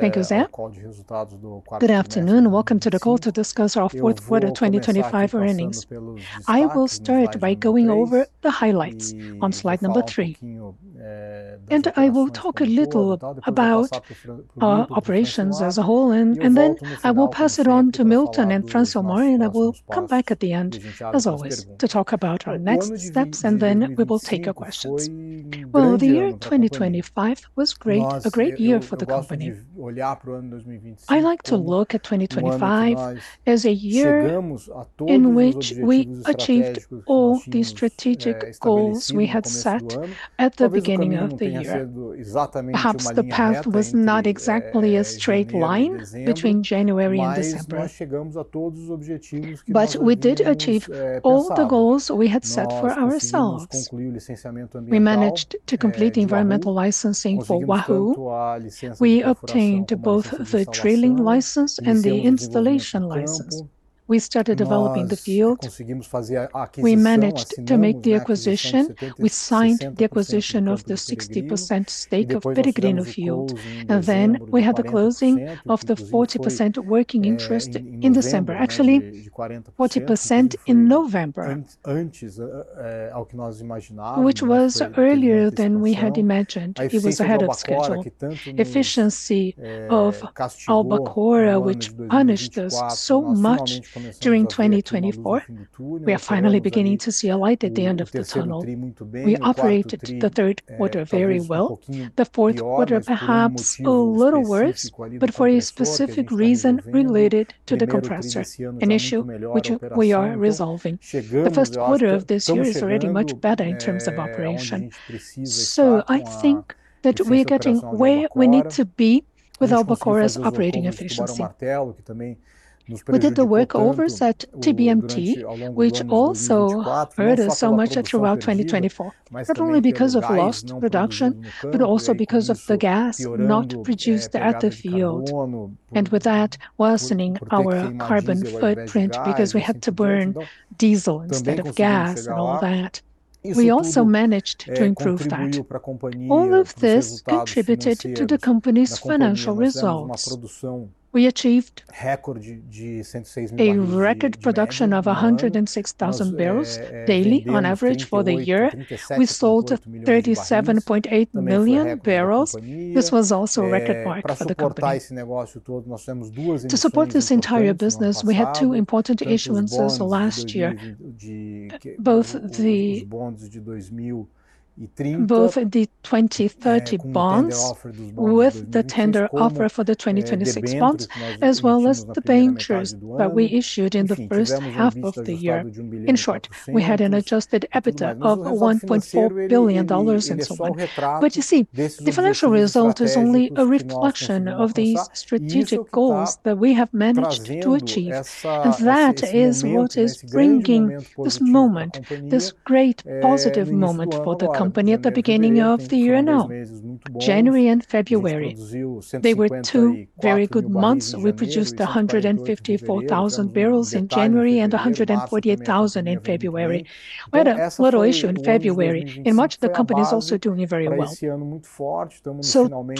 Thank you, Zach. Good afternoon. Welcome to the call to discuss our Q4 2025 earnings. I will start by going over the highlights on Slide number 3. I will talk a little about our operations as a whole and then I will pass it on to Milton and Francimar, and I will come back at the end, as always, to talk about our next steps, and then we will take our questions. Well, the year 2025 was great, a great year for the company. I like to look at 2025 as a year in which we achieved all the strategic goals we had set at the beginning of the year. Perhaps the path was not exactly a straight line between January and December. We did achieve all the goals we had set for ourselves. We managed to complete environmental licensing for Wahoo. We obtained both the drilling license and the installation license. We started developing the field. We managed to make the acquisition. We signed the acquisition of the 60% stake of Peregrino field, and then we had the closing of the 40% working interest in December. Actually, 40% in November, which was earlier than we had imagined. It was ahead of schedule. Efficiency of Albacora, which punished us so much during 2024, we are finally beginning to see a light at the end of the tunnel. We operated the Q3 very well. The Q4 perhaps a little worse, but for a specific reason related to the compressor, an issue which we are resolving. The Q1 of this year is already much better in terms of operation. I think that we're getting where we need to be with Albacora's operating efficiency. We did the workovers at TBMT, which also hurt us so much throughout 2024. Not only because of lost production, but also because of the gas not produced at the field. With that, worsening our carbon footprint because we had to burn diesel instead of gas and all that. We also managed to improve that. All of this contributed to the company's financial results. We achieved a record production of 106,000 barrels daily on average for the year. We sold 37.8 million barrels. This was also a record mark for the company. To support this entire business, we had two important issuances last year. Both the 2030 bonds with the tender offer for the 2026 bonds, as well as the debentures that we issued in the first half of the year. In short, we had an adjusted EBITDA of $1.4 billion in some month. You see, the financial result is only a reflection of these strategic goals that we have managed to achieve. That is what is bringing this moment, this great positive moment for the company at the beginning of the year now. January and February, they were two very good months. We produced 154,000 barrels in January and 148,000 in February. We had a little issue in February. In March, the company is also doing very well.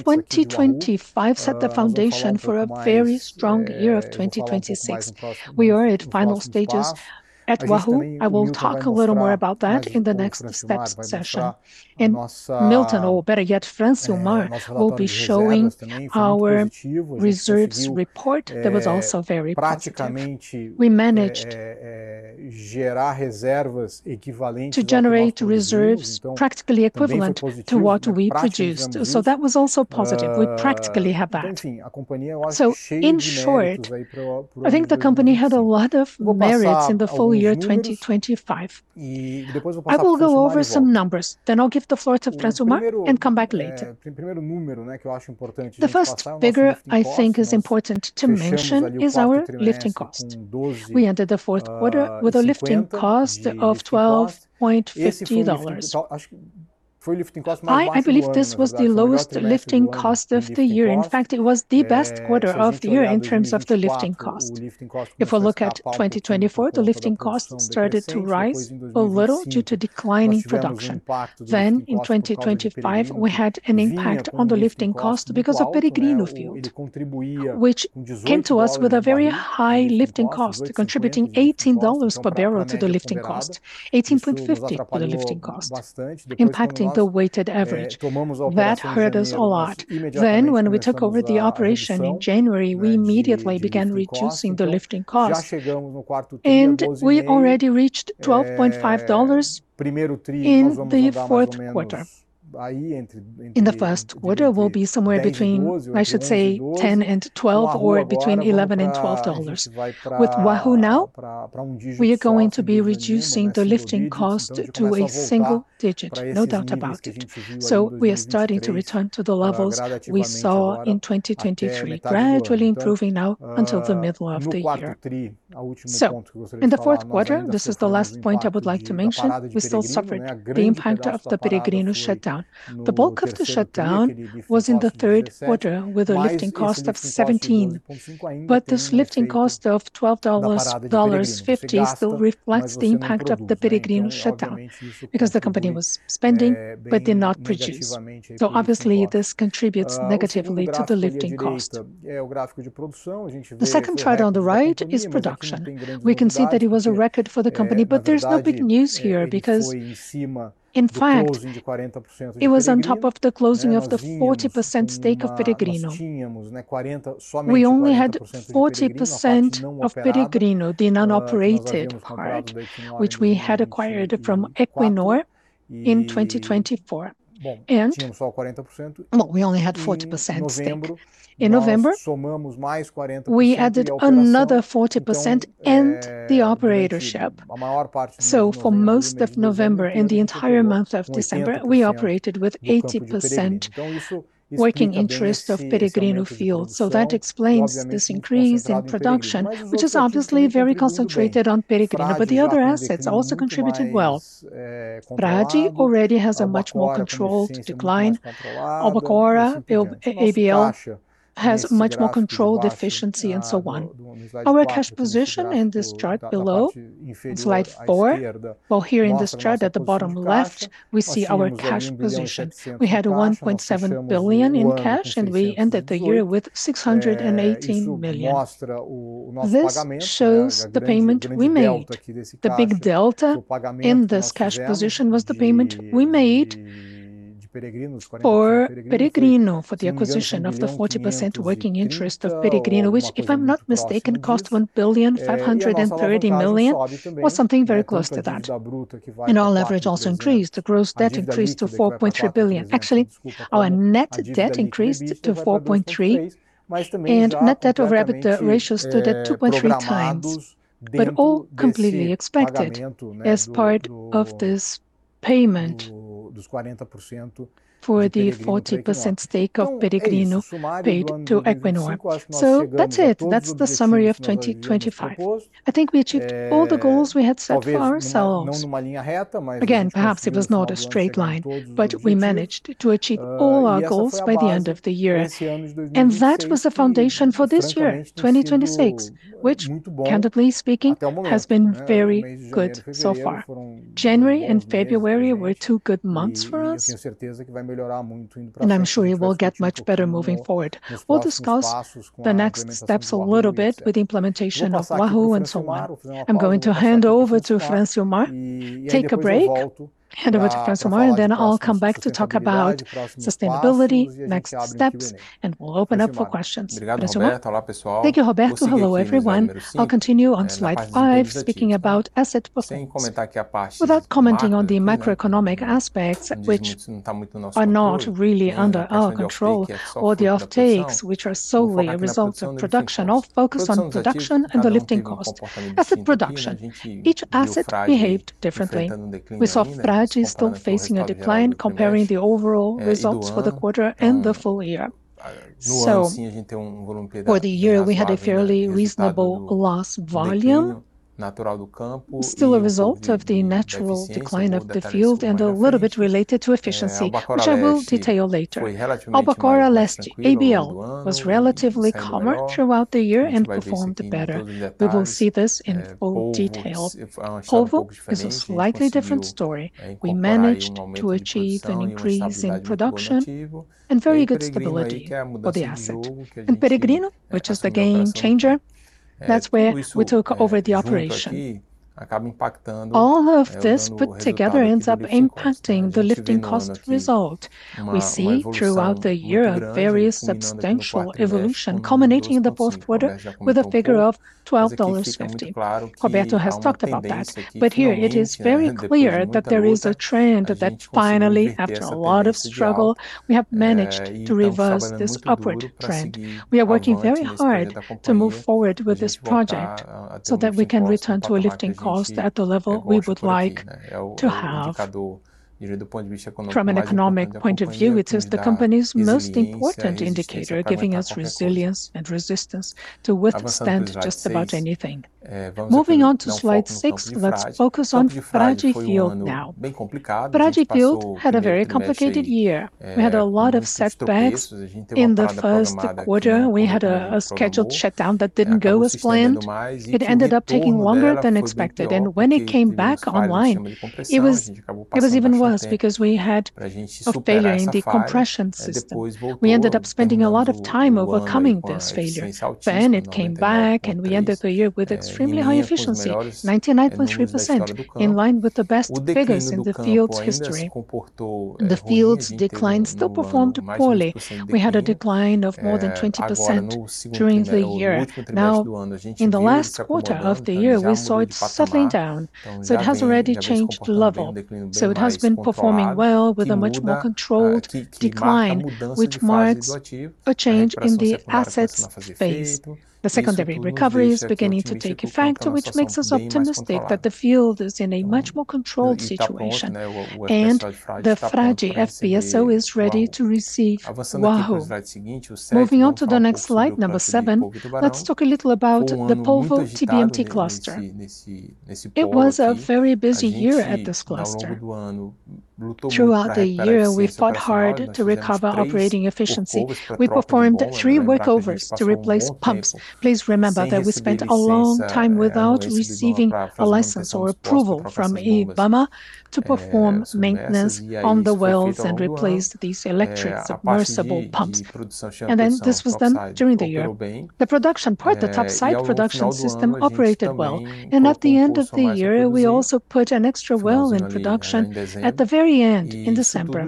2025 set the foundation for a very strong year of 2026. We are at final stages at Wahoo. I will talk a little more about that in the next steps session. Milton, or better yet, Francimar will be showing our reserves report that was also very positive. We managed to generate reserves practically equivalent to what we produced. That was also positive. We practically have that. In short, I think the company had a lot of merits in the full year 2025. I will go over some numbers, then I'll give the floor to Francimar and come back later. The first figure I think is important to mention is our lifting cost. We ended the Q4 with a lifting cost of $12.50. I believe this was the lowest lifting cost of the year. In fact, it was the best quarter of the year in terms of the lifting cost. If we look at 2024, the lifting cost started to rise a little due to declining production. In 2025, we had an impact on the lifting cost because of Peregrino field, which came to us with a very high lifting cost, contributing $18 per barrel to the lifting cost, $18.50 for the lifting cost, impacting the weighted average. That hurt us a lot. When we took over the operation in January, we immediately began reducing the lifting cost. We already reached $12.5 in the Q4. In the Q1, we'll be somewhere between, I should say 10 and 12 or between 11 and 12 dollars. With Wahoo now, we are going to be reducing the lifting cost to a single digit, no doubt about it. We are starting to return to the levels we saw in 2023, gradually improving now until the middle of the year. In the Q4, this is the last point I would like to mention, we still suffered the impact of the Peregrino shutdown. The bulk of the shutdown was in the Q3 with a lifting cost of $17. This lifting cost of $12.50 still reflects the impact of the Peregrino shutdown because the company was spending but did not produce. Obviously, this contributes negatively to the lifting cost. The second chart on the right is production. We can see that it was a record for the company, but there's no big news here because, in fact, it was on top of the closing of the 40% stake of Peregrino. We only had 40% of Peregrino, the non-operated part, which we had acquired from Equinor in 2024. Well, we only had 40% stake. In November, we added another 40% and the operatorship. For most of November and the entire month of December, we operated with 80% working interest of Peregrino field. That explains this increase in production, which is obviously very concentrated on Peregrino, but the other assets also contributed well. Frade already has a much more controlled decline. Albacora, ABL has much more controlled efficiency and so on. Our cash position in this chart below, Slide 4. Well, here in this chart at the bottom left, we see our cash position. We had $1.7 billion in cash, and we ended the year with $618 million. This shows the payment we made. The big delta in this cash position was the payment we made for Peregrino, for the acquisition of the 40% working interest of Peregrino, which, if I'm not mistaken, cost $1.53 billion or something very close to that. Our leverage also increased. The gross debt increased to $4.3 billion. Actually, our net debt increased to $4.3, and net debt to EBITDA ratio stood at 2.3x. All completely expected as part of this payment for the 40% stake of Peregrino paid to Equinor. That's it. That's the summary of 2025. I think we achieved all the goals we had set for ourselves. Again, perhaps it was not a straight line, but we managed to achieve all our goals by the end of the year. That was the foundation for this year, 2026, which candidly speaking, has been very good so far. January and February were two good months for us, and I'm sure it will get much better moving forward. We'll discuss the next steps a little bit with the implementation of Wahoo and so on. I'm going to hand over to Francisco Omar, take a break, and then I'll come back to talk about sustainability, next steps, and we'll open up for questions. Francisco Omar. Thank you, Roberto. Hello, everyone. I'll continue on Slide 5, speaking about asset performance. Without commenting on the macroeconomic aspects, which are not really under our control or the offtakes which are solely a result of production, I'll focus on production and the lifting cost. Asset production, each asset behaved differently. We saw Frade still facing a decline, comparing the overall results for the quarter and the full year. For the year, we had a fairly reasonable oil volume, still a result of the natural decline of the field and a little bit related to efficiency, which I will detail later. Albacora Leste, ABL, was relatively calmer throughout the year and performed better. We will see this in full detail. Polvo is a slightly different story. We managed to achieve an increase in production and very good stability for the asset. In Peregrino, which is the game changer, that's where we took over the operation. All of this put together ends up impacting the lifting cost result. We see throughout the year a very substantial evolution, culminating in the Q4 with a figure of $12.50. Roberto has talked about that. Here it is very clear that there is a trend that finally, after a lot of struggle, we have managed to reverse this upward trend. We are working very hard to move forward with this project so that we can return to a lifting cost at the level we would like to have. From an economic point of view, it is the company's most important indicator, giving us resilience and resistance to withstand just about anything. Moving on to Slide 6, let's focus on Frade field now. Frade field had a very complicated year. We had a lot of setbacks. In the Q1 we had a scheduled shutdown that didn't go as planned. It ended up taking longer than expected, and when it came back online, it was even worse because we had a failure in the compression system. We ended up spending a lot of time overcoming this failure. It came back, and we ended the year with extremely high efficiency, 99.3%, in line with the best figures in the field's history. The field's decline still performed poorly. We had a decline of more than 20% during the year. Now, in the last quarter of the year, we saw it settling down, so it has already changed level. It has been performing well with a much more controlled decline, which marks a change in the asset's phase. The secondary recovery is beginning to take effect, which makes us optimistic that the field is in a much more controlled situation, and the Frade FPSO is ready to receive Wahoo. Moving on to the next Slide, number 7, let's talk a little about the Polvo TBMT cluster. It was a very busy year at this cluster. Throughout the year, we fought hard to recover operating efficiency. We performed three workovers to replace pumps. Please remember that we spent a long time without receiving a license or approval from IBAMA to perform maintenance on the wells and replace these electric submersible pumps. This was done during the year. The production part, the topside production system operated well. At the end of the year, we also put an extra well in production at the very end in December.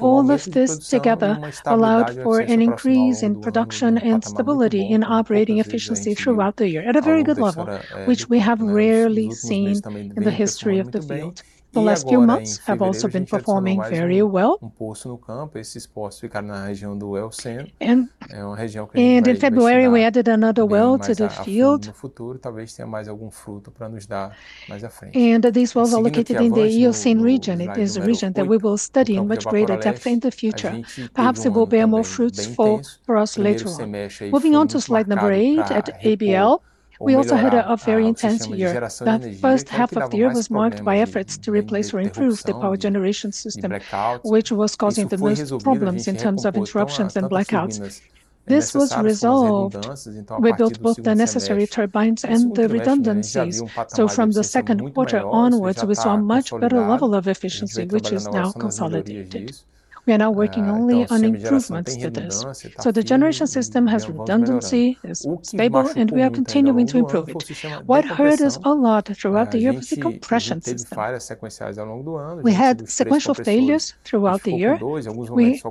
All of this together allowed for an increase in production and stability in operating efficiency throughout the year at a very good level, which we have rarely seen in the history of the field. The last few months have also been performing very well. In February, we added another well to the field. This was located in the Eocene region. It is a region that we will study in much greater depth in the future. Perhaps it will bear more fruits for us later on. Moving on to Slide number 8 at ABL, we also had a very intense year. The first half of the year was marked by efforts to replace or improve the power generation system, which was causing the most problems in terms of interruptions and blackouts. This was resolved. We built both the necessary turbines and the redundancies. From the Q2 onwards, we saw a much better level of efficiency, which is now consolidated. We are now working only on improvements to this. The generation system has redundancy, is stable, and we are continuing to improve. What hurt us a lot throughout the year was the compression system. We had sequential failures throughout the year. We,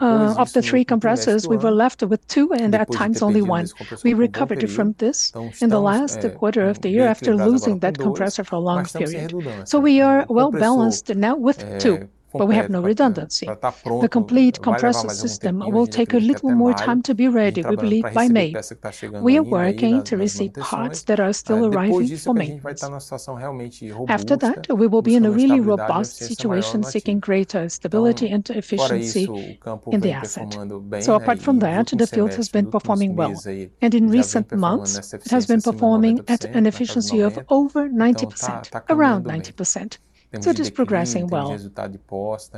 of the 3 compressors, we were left with 2, and at times only 1. We recovered from this in the last quarter of the year after losing that compressor for a long period. We are well-balanced now with 2, but we have no redundancy. The complete compressor system will take a little more time to be ready, we believe by May. We are working to receive parts that are still arriving for maintenance. After that, we will be in a really robust situation seeking greater stability and efficiency in the asset. Apart from that, the field has been performing well. In recent months, it has been performing at an efficiency of over 90%, around 90%. It is progressing well.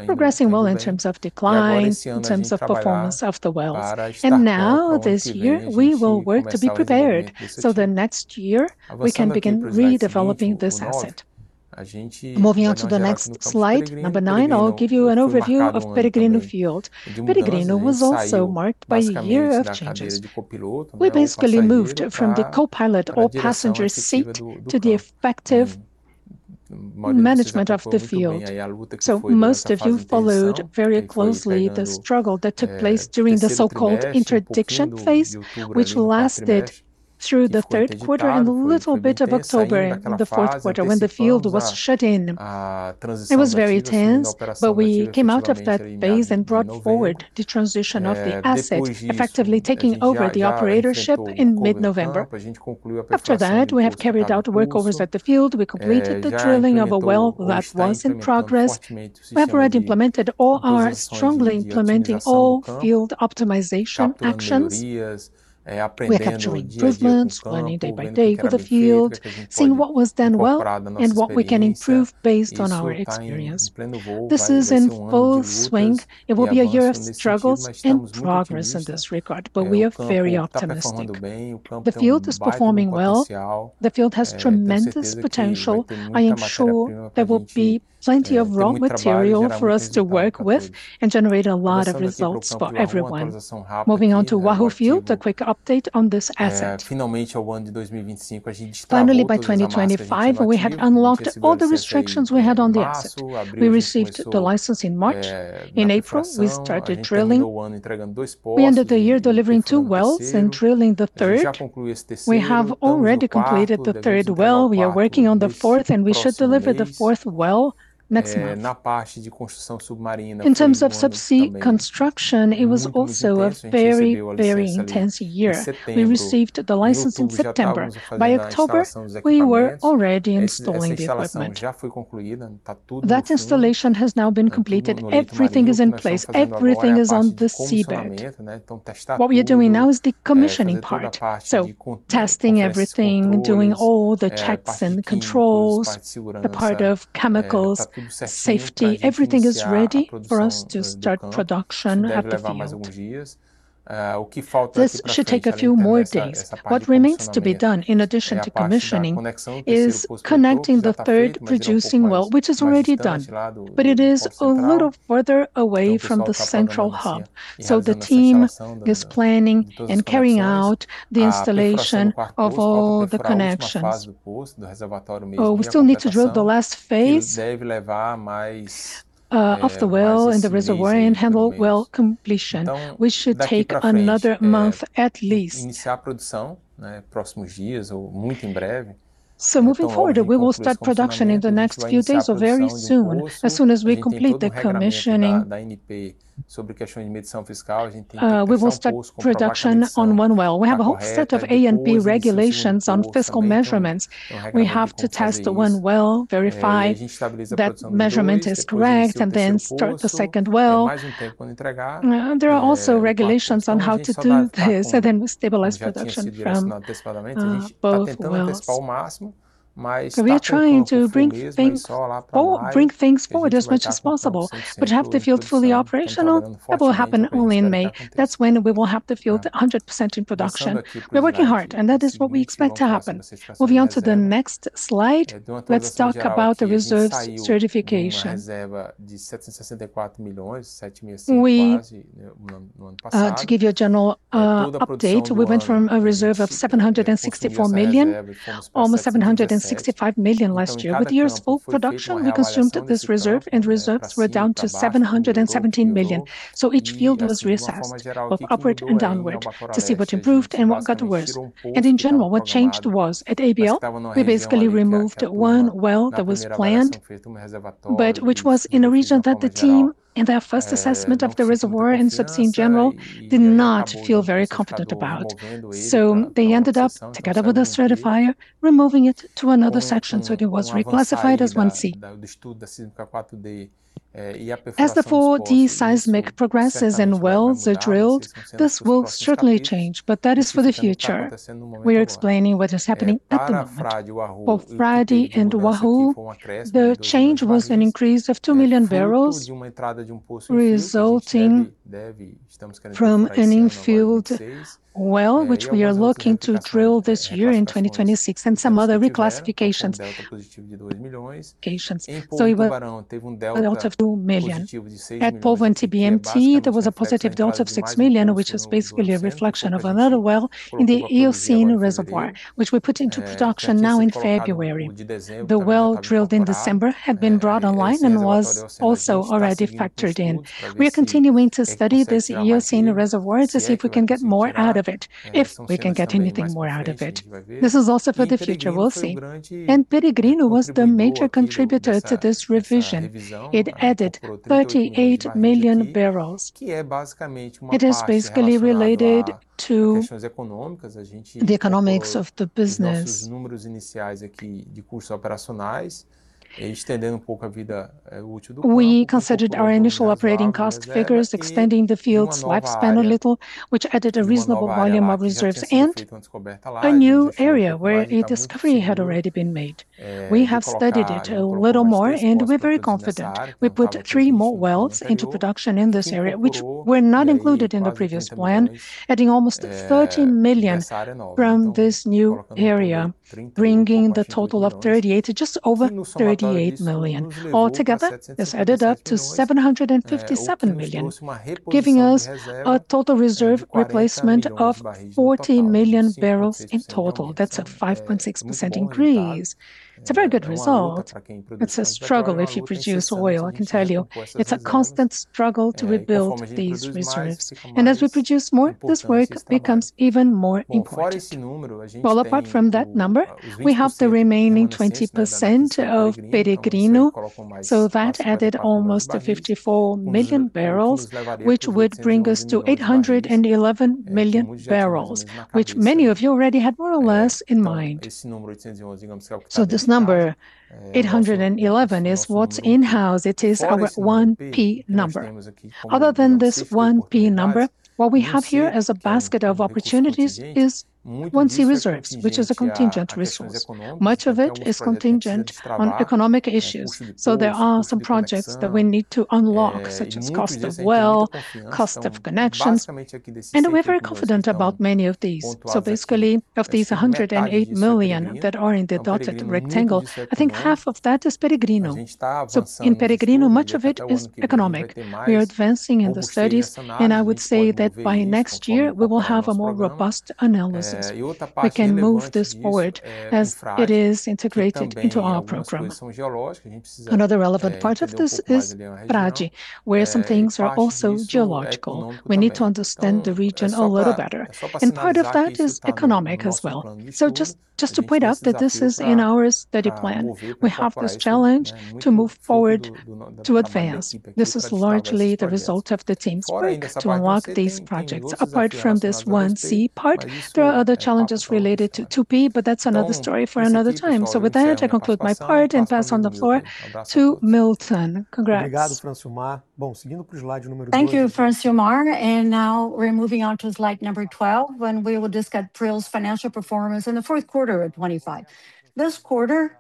Progressing well in terms of declines, in terms of performance of the wells. Now this year, we will work to be prepared, so that next year we can begin redeveloping this asset. Moving on to the next Slide, number 9, I'll give you an overview of Peregrino field. Peregrino was also marked by a year of changes. We basically moved from the co-pilot or passenger seat to the effective management of the field. Most of you followed very closely the struggle that took place during the so-called interdiction phase, which lasted through the Q3 and a little bit of October, the Q4, when the field was shut in. It was very tense, but we came out of that phase and brought forward the transition of the asset, effectively taking over the operatorship in mid-November. After that, we have carried out workovers at the field. We completed the drilling of a well that was in progress. We are strongly implementing all field optimization actions. We are capturing improvements day by day with the field, seeing what was done well and what we can improve based on our experience. This is in full swing. It will be a year of struggles and progress in this regard, but we are very optimistic. The field is performing well. The field has tremendous potential. I am sure there will be plenty of raw material for us to work with and generate a lot of results for everyone. Moving on to Wahoo field, a quick update on this asset. Finally, by 2025, we had unlocked all the restrictions we had on the asset. We received the license in March. In April, we started drilling. We ended the year delivering two wells and drilling the third. We have already completed the third well. We are working on the fourth, and we should deliver the fourth well next month. In terms of subsea construction, it was also a very, very intense year. We received the license in September. By October, we were already installing the equipment. That installation has now been completed. Everything is in place. Everything is on the seabed. What we're doing now is the commissioning part, so testing everything, doing all the checks and controls, the part of chemicals, safety. Everything is ready for us to start production of the field. This should take a few more days. What remains to be done in addition to commissioning is connecting the third producing well, which is already done. It is a little further away from the central hub. The team is planning and carrying out the installation of all the connections. We still need to drill the last phase of the well in the reservoir and handle well completion, which should take another month at least. Moving forward, we will start production in the next few days or very soon, as soon as we complete the commissioning. We will start production on one well. We have a whole set of A and B regulations on fiscal measurements. We have to test the one well, verify that measurement is correct, and then start the second well. There are also regulations on how to do this, and then we stabilize production from both wells. We are trying to bring things forward as much as possible, but have the field fully operational, that will happen only in May. That's when we will have the field 100% in production. We're working hard, and that is what we expect to happen. Moving on to the next Slide, let's talk about the reserves certification. We to give you a general update, we went from a reserve of 764 million, almost 765 million last year. With years of production, we consumed this reserve, and reserves were down to 717 million. Each field was reassessed, both upward and downward, to see what improved and what got worse. In general, what changed was at ABL, we basically removed one well that was planned, but which was in a region that the team, in their first assessment of the reservoir and subsurface in general, did not feel very confident about. They ended up, together with the certifier, removing it to another section, so it was reclassified as 1C. As the 4D seismic progresses and wells are drilled, this will certainly change, but that is for the future. We're explaining what is happening at the moment. Both Frade and Uaru, the change was an increase of 2 million barrels resulting from an in-field well, which we are looking to drill this year in 2026, and some other reclassifications. A delta of 2 million. At Polvo and TBMT, there was a positive delta of 6 million, which was basically a reflection of another well in the Eocene reservoir, which we put into production now in February. The well drilled in December had been brought online and was also already factored in. We are continuing to study this Eocene reservoir to see if we can get more out of it, if we can get anything more out of it. This is also for the future, we'll see. Peregrino was the major contributor to this revision. It added 38 million barrels. It is basically related to the economics of the business. We considered our initial operating cost figures, extending the field's lifespan a little, which added a reasonable volume of reserves in a new area where a discovery had already been made. We have studied it a little more, and we're very confident. We put three more wells into production in this area, which were not included in the previous plan, adding almost 30 million from this new area, bringing the total of 38 to just over 38 million. Altogether, this added up to 757 million, giving us a total reserve replacement of 40 million barrels in total. That's a 5.6% increase. It's a very good result. It's a struggle if you produce oil, I can tell you. It's a constant struggle to rebuild these reserves. As we produce more, this work becomes even more important. Well, apart from that number, we have the remaining 20% of Peregrino, so that added almost 54 million barrels, which would bring us to 811 million barrels, which many of you already had more or less in mind. This number, 811, is what's in-house. It is our 1P number. Other than this 1P number, what we have here as a basket of opportunities is 1C reserves, which is a contingent resource. Much of it is contingent on economic issues, so there are some projects that we need to unlock, such as cost of well, cost of connections, and we're very confident about many of these. Basically, of these 108 million that are in the dotted rectangle, I think half of that is Peregrino. In Peregrino, much of it is economic. We are advancing in the studies, and I would say that by next year, we will have a more robust analysis. We can move this forward as it is integrated into our program. Another relevant part of this is Frade, where some things are also geological. We need to understand the region a little better, and part of that is economic as well. Just to point out that this is in our study plan. We have this challenge to move forward to advance. This is largely the result of the team's work to unlock these projects. Apart from this 1C part, there are other challenges related to 2P, but that's another story for another time. With that, I conclude my part and pass on the floor to Milton. Congrats. Thank you, Francilmar. Now we're moving on to Slide number 12, where we will discuss Prio's financial performance in the Q4 of 2025. This quarter,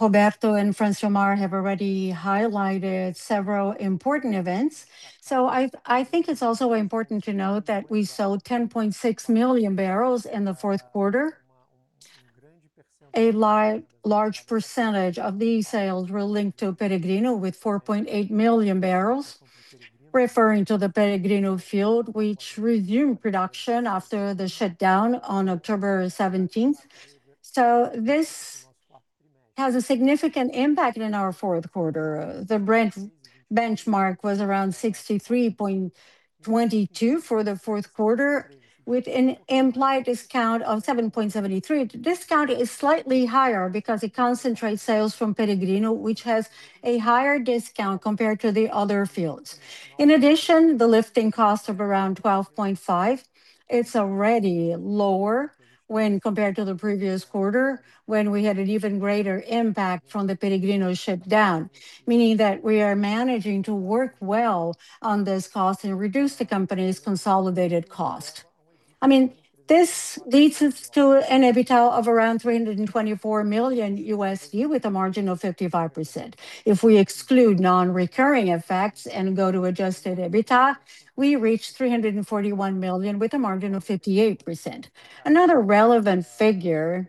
Roberto and Francilmar have already highlighted several important events. I think it's also important to note that we sold 10.6 million barrels in the Q4. A large percentage of these sales were linked to Peregrino with 4.8 million barrels, referring to the Peregrino field, which resumed production after the shutdown on October seventeenth. This has a significant impact in our Q4. The Brent benchmark was around $63.22 for the Q4, with an implied discount of $7.73. The discount is slightly higher because it concentrates sales from Peregrino, which has a higher discount compared to the other fields. In addition, the lifting cost of around 12.5, it's already lower when compared to the previous quarter when we had an even greater impact from the Peregrino shutdown. Meaning that we are managing to work well on this cost and reduce the company's consolidated cost. I mean, this leads us to an EBITDA of around $324 million with a margin of 55%. If we exclude non-recurring effects and go to adjusted EBITDA, we reach $341 million with a margin of 58%. Another relevant figure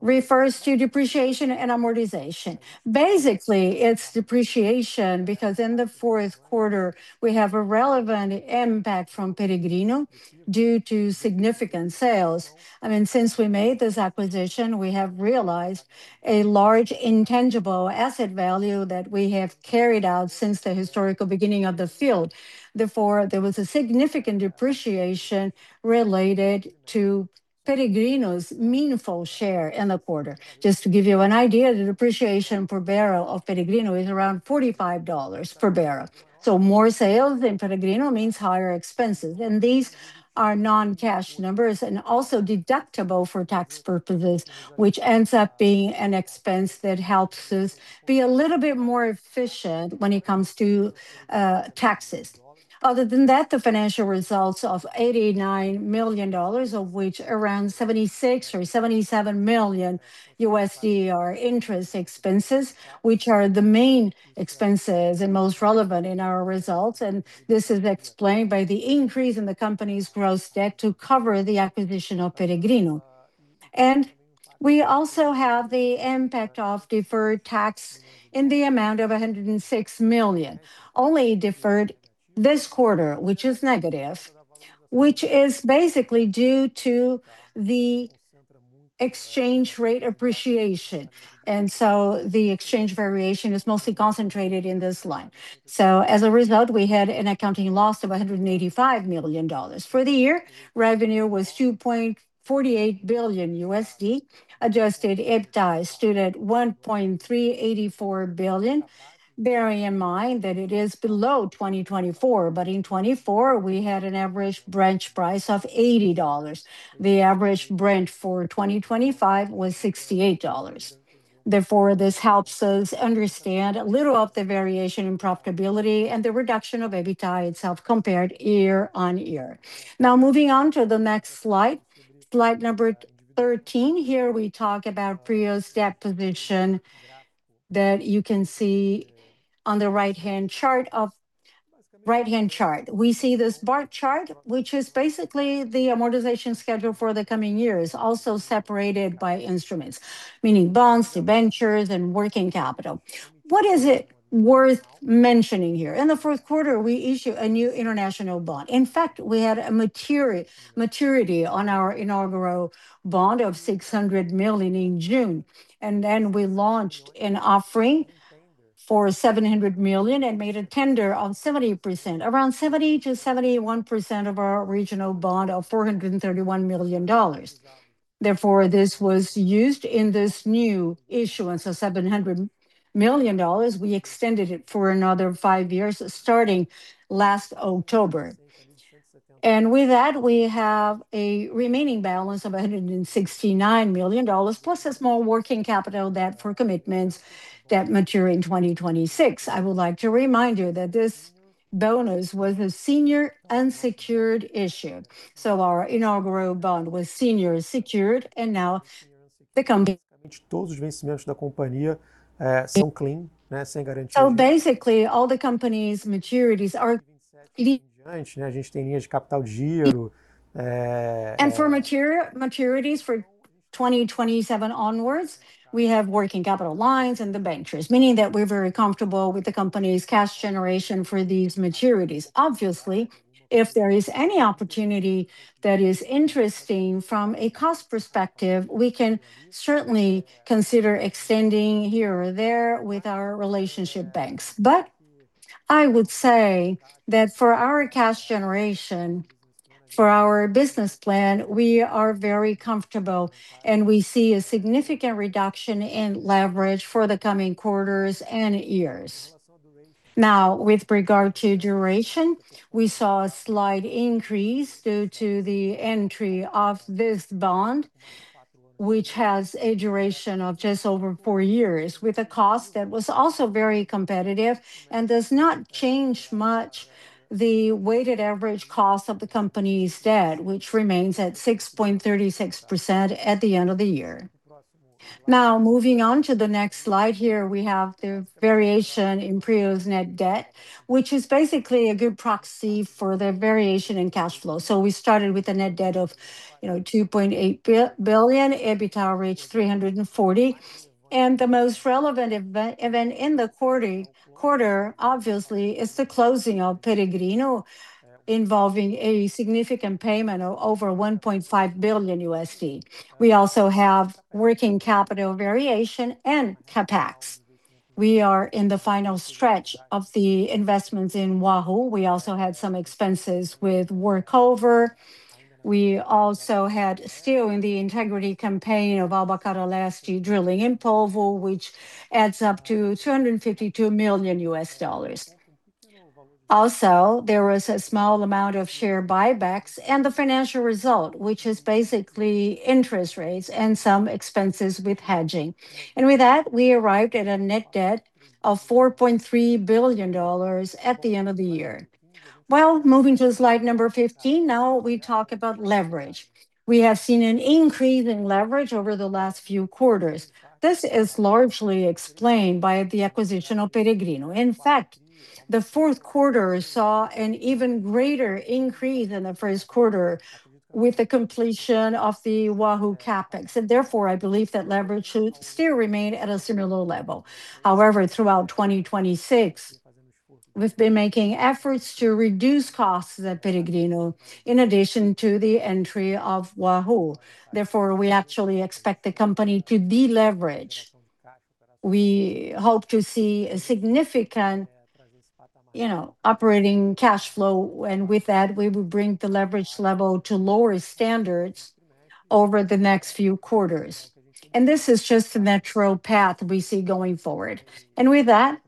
refers to depreciation and amortization. Basically, it's depreciation because in the Q4, we have a relevant impact from Peregrino due to significant sales. I mean, since we made this acquisition, we have realized a large intangible asset value that we have carried out since the historical beginning of the field. Therefore, there was a significant depreciation related to Peregrino's meaningful share in the quarter. Just to give you an idea, the depreciation per barrel of Peregrino is around $45 per barrel. More sales in Peregrino means higher expenses. These are non-cash numbers and also deductible for tax purposes, which ends up being an expense that helps us be a little bit more efficient when it comes to taxes. Other than that, the financial results of $89 million, of which around $76 million or $77 million are interest expenses, which are the main expenses and most relevant in our results. This is explained by the increase in the company's gross debt to cover the acquisition of Peregrino. We also have the impact of deferred tax in the amount of $106 million, only deferred this quarter, which is negative, which is basically due to the exchange rate appreciation. The exchange variation is mostly concentrated in this line. As a result, we had an accounting loss of $185 million. For the year, revenue was $2.48 billion. Adjusted EBITDA stood at $1.384 billion. Bearing in mind that it is below 2024, but in 2024 we had an average Brent price of $80. The average Brent for 2025 was $68. Therefore, this helps us understand a little of the variation in profitability and the reduction of EBITDA itself compared year-on-year. Now moving on to the next Slide number 13. Here we talk about Prio's debt position that you can see on the right-hand chart. We see this bar chart, which is basically the amortization schedule for the coming years, also separated by instruments, meaning bonds, debentures, and working capital. What is it worth mentioning here? In the Q4, we issue a new international bond. In fact, we had a maturity on our inaugural bond of $600 million in June, and then we launched an offering for $700 million and made a tender of 70%, around 70%–71% of our regional bond of $431 million. Therefore, this was used in this new issuance of $700 million. We extended it for another 5 years, starting last October. With that, we have a remaining balance of $169 million, plus a small working capital debt for commitments that mature in 2026. I would like to remind you that this bond was a senior unsecured issue. Our inaugural bond was senior secured, and now basically, all the company's maturities for 2027 onwards, we have working capital lines and debentures, meaning that we're very comfortable with the company's cash generation for these maturities. Obviously, if there is any opportunity that is interesting from a cost perspective, we can certainly consider extending here or there with our relationship banks. I would say that for our cash generation, for our business plan, we are very comfortable, and we see a significant reduction in leverage for the coming quarters and years. Now, with regard to duration, we saw a slight increase due to the entry of this bond, which has a duration of just over four years with a cost that was also very competitive and does not change much the weighted average cost of the company's debt, which remains at 6.36% at the end of the year. Now, moving on to the next Slide here, we have the variation in Prio's net debt, which is basically a good proxy for the variation in cash flow. We started with a net debt of, you know, $2.8 billion. EBITDA reached $340 million. The most relevant event in the quarter, obviously, is the closing of Peregrino involving a significant payment of over $1.5 billion. We also have working capital variation and CapEx. We are in the final stretch of the investments in Wahoo. We also had some expenses with workover. We also had still in the integrity campaign of Albacora last year, drilling in Polvo, which adds up to $252 million. Also, there was a small amount of share buybacks and the financial result, which is basically interest rates and some expenses with hedging. With that, we arrived at a net debt of $4.3 billion at the end of the year. Well, moving to Slide number 15, now we talk about leverage. We have seen an increase in leverage over the last few quarters. This is largely explained by the acquisition of Peregrino. In fact, the Q4 saw an even greater increase than the Q1 with the completion of the Wahoo CapEx. Therefore, I believe that leverage should still remain at a similar level. However, throughout 2026, we've been making efforts to reduce costs at Peregrino in addition to the entry of Wahoo. Therefore, we actually expect the company to deleverage. We hope to see a significant, you know, operating cash flow, and with that, we will bring the leverage level to lower standards over the next few quarters. This is just the natural path we see going forward. With that,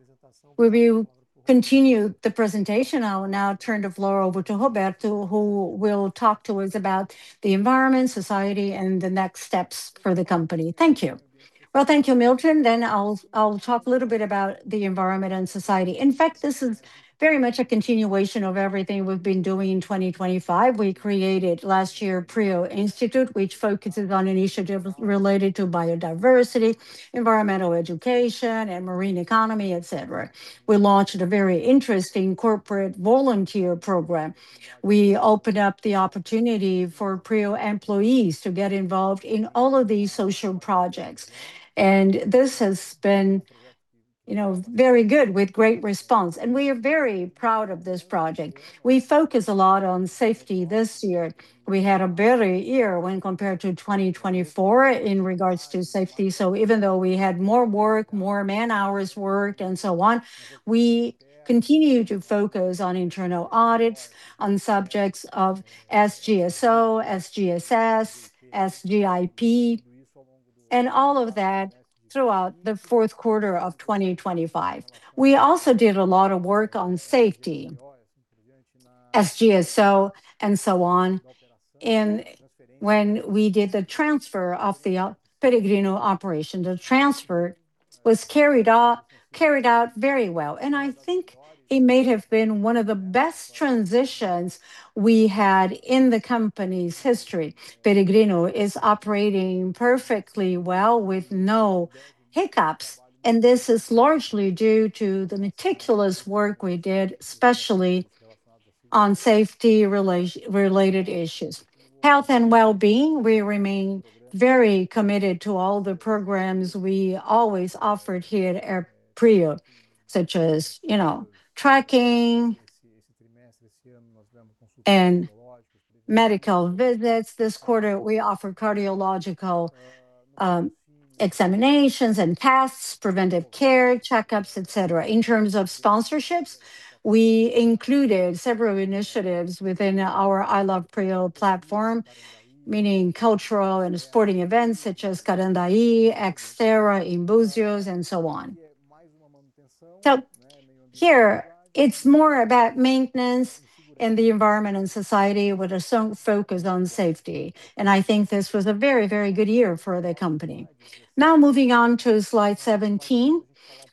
we will continue the presentation. I will now turn the floor over to Roberto, who will talk to us about the environment, society, and the next steps for the company. Thank you. Well, thank you, Milton. I'll talk a little bit about the environment and society. In fact, this is very much a continuation of everything we've been doing in 2025. We created last year Instituto Prio, which focuses on initiatives related to biodiversity, environmental education, and marine economy, et cetera. We launched a very interesting corporate volunteer program. We opened up the opportunity for Prio employees to get involved in all of these social projects. This has been, you know, very good with great response. We are very proud of this project. We focus a lot on safety this year. We had a better year when compared to 2024 in regards to safety. Even though we had more work, more man-hours worked, and so on, we continue to focus on internal audits on subjects of SGSO, SGSS, SGIP, and all of that throughout the Q4 of 2025. We also did a lot of work on safety, SGSO, and so on. When we did the transfer of the Peregrino operation, the transfer was carried out very well. I think it may have been one of the best transitions we had in the company's history. Peregrino is operating perfectly well with no hiccups, and this is largely due to the meticulous work we did, especially on safety related issues. Health and wellbeing, we remain very committed to all the programs we always offered here at Prio, such as, you know, tracking and medical visits. This quarter, we offer cardiological examinations and tests, preventive care, checkups, et cetera. In terms of sponsorships, we included several initiatives within our I Love PRIO platform, meaning cultural and sporting events such as Carandaí, XTERRA, Imbussos, and so on. Here it's more about maintenance and the environment and society with a strong focus on safety. I think this was a very, very good year for the company. Now moving on to Slide 17,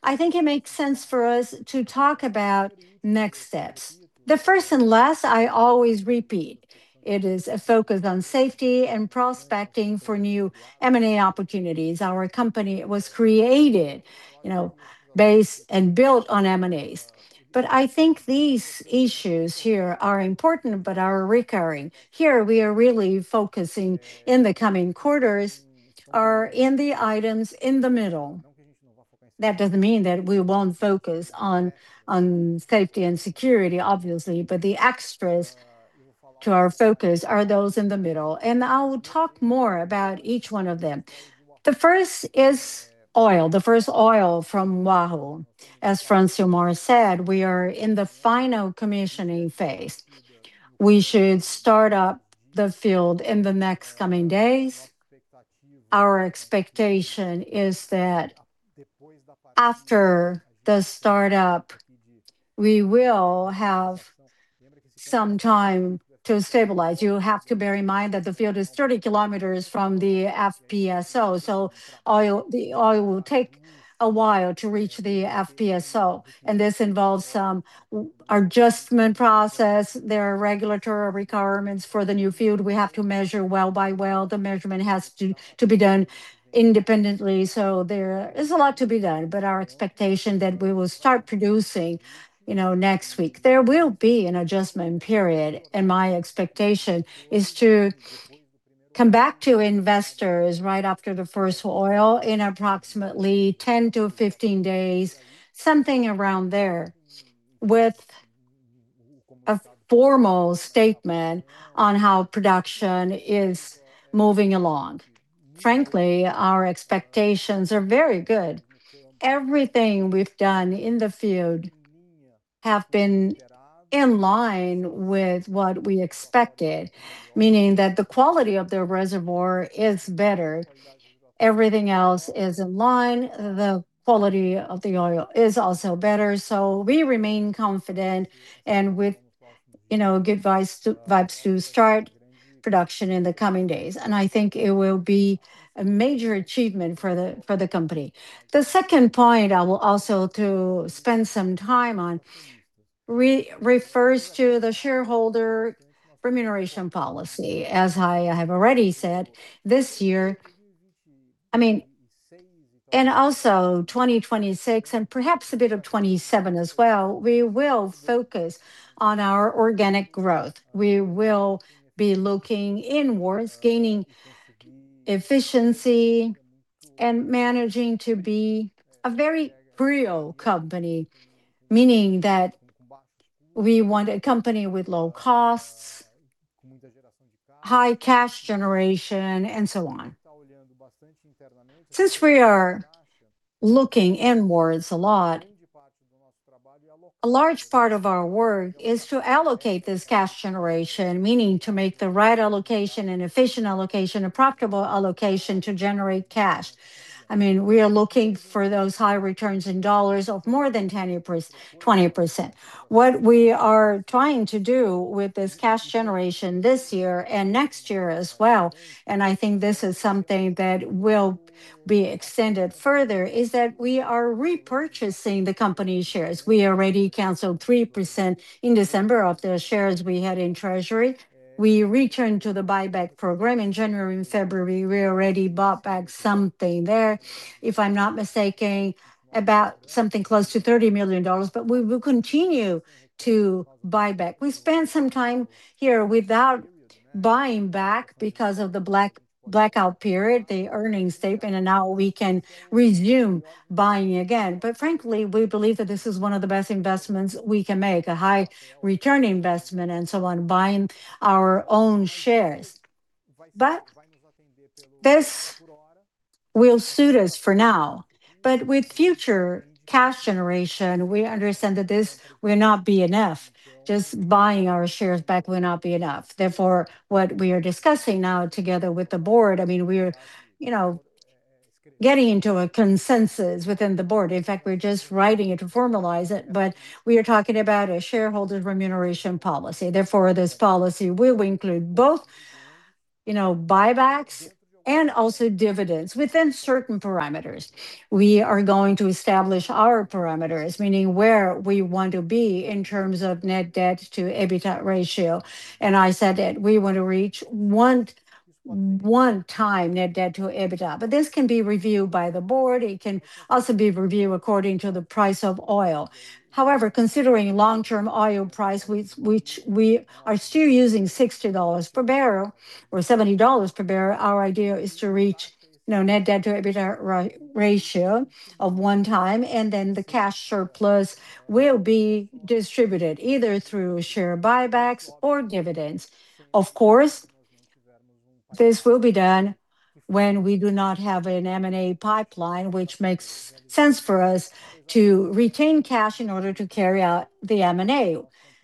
I think it makes sense for us to talk about next steps. The first and last I always repeat, it is a focus on safety and prospecting for new M&A opportunities. Our company was created, you know, based and built on M&As. I think these issues here are important but are recurring. Here, we are really focusing, in the coming quarters, on the items in the middle. That doesn't mean that we won't focus on safety and security, obviously, but the extras to our focus are those in the middle, and I'll talk more about each one of them. The first is first oil from Wahoo. As Francisco Francilmar Fernandes said, we are in the final commissioning phase. We should start up the field in the next coming days. Our expectation is that after the startup, we will have some time to stabilize. You have to bear in mind that the field is 30 kilometers from the FPSO, so the oil will take a while to reach the FPSO, and this involves some adjustment process. There are regulatory requirements for the new field. We have to measure well by well. The measurement has to be done independently. There is a lot to be done. Our expectation that we will start producing, you know, next week. There will be an adjustment period, and my expectation is to come back to investors right after the first oil in approximately 10-15 days, something around there, with a formal statement on how production is moving along. Frankly, our expectations are very good. Everything we've done in the field have been in line with what we expected, meaning that the quality of the reservoir is better. Everything else is in line. The quality of the oil is also better. We remain confident and with, you know, good vibes to start production in the coming days. I think it will be a major achievement for the company. The second point I will also spend some time on refers to the shareholder remuneration policy. As I have already said, this year, I mean, and also 2026 and perhaps a bit of 2027 as well, we will focus on our organic growth. We will be looking inwards, gaining efficiency and managing to be a very real company, meaning that we want a company with low costs, high cash generation, and so on. Since we are looking inwards a lot, a large part of our work is to allocate this cash generation, meaning to make the right allocation, an efficient allocation, a profitable allocation to generate cash. I mean, we are looking for those high returns in dollars of more than 10%, 20%. What we are trying to do with this cash generation this year and next year as well, and I think this is something that will be extended further, is that we are repurchasing the company shares. We already canceled 3% in December of the shares we had in treasury. We returned to the buyback program in January and February. We already bought back something there, if I'm not mistaken, about something close to $30 million, but we will continue to buy back. We spent some time here without buying back because of the blackout period, the earnings statement, and now we can resume buying again. Frankly, we believe that this is one of the best investments we can make, a high return investment and so on, buying our own shares. This will suit us for now. With future cash generation, we understand that this will not be enough. Just buying our shares back will not be enough. Therefore, what we are discussing now together with the board, I mean, we're, you know, getting into a consensus within the board. In fact, we're just writing it to formalize it. We are talking about a shareholder remuneration policy. Therefore, this policy will include both, you know, buybacks and also dividends within certain parameters. We are going to establish our parameters, meaning where we want to be in terms of net debt to EBITDA ratio. I said that we want to reach 1 time net debt to EBITDA. This can be reviewed by the board. It can also be reviewed according to the price of oil. However, considering long-term oil price, which we are still using $60 per barrel or $70 per barrel, our idea is to reach a net debt to EBITDA ratio of 1 time, and then the cash surplus will be distributed either through share buybacks or dividends. Of course, this will be done when we do not have an M&A pipeline, which makes sense for us to retain cash in order to carry out the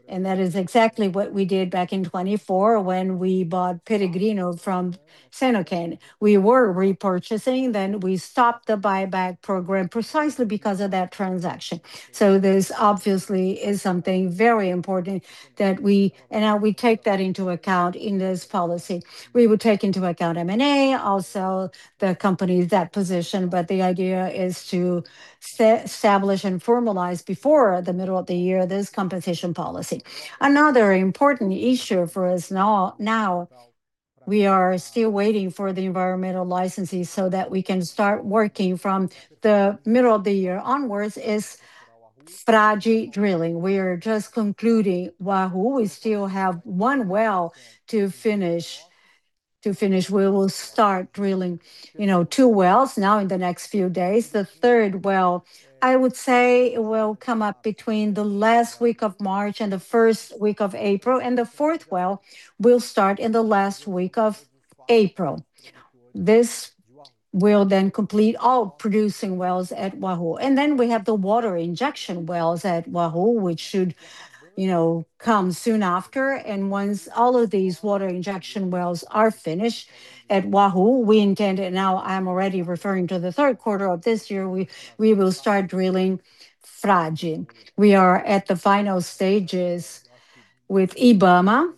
M&A. That is exactly what we did back in 2024 when we bought Peregrino from Equinor. We were repurchasing, then we stopped the buyback program precisely because of that transaction. This obviously is something very important that we and now we take that into account in this policy. We will take into account M&A, also the company's debt position, but the idea is to establish and formalize before the middle of the year this compensation policy. Another important issue for us now, we are still waiting for the environmental licenses so that we can start working from the middle of the year onwards, is Frade drilling. We are just concluding Wahoo. We still have one well to finish. We will start drilling, you know, two wells now in the next few days. The third well, I would say, will come up between the last week of March and the first week of April, and the fourth well will start in the last week of April. This will then complete all producing wells at Wahoo. Then we have the water injection wells at Wahoo, which should, you know, come soon after. Once all of these water injection wells are finished at Wahoo, we intend, and now I'm already referring to the Q3 of this year, we will start drilling Frade. We are at the final stages with IBAMA,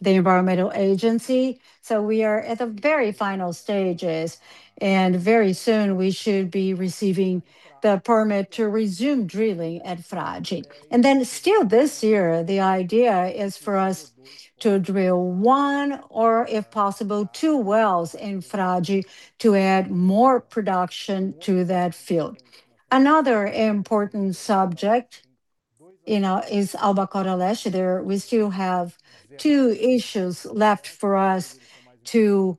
the environmental agency. We are at the very final stages, and very soon we should be receiving the permit to resume drilling at Frade. Still this year, the idea is for us to drill one or, if possible, two wells in Frade to add more production to that field. Another important subject, you know, is Albacora Leste. There we still have two issues left for us to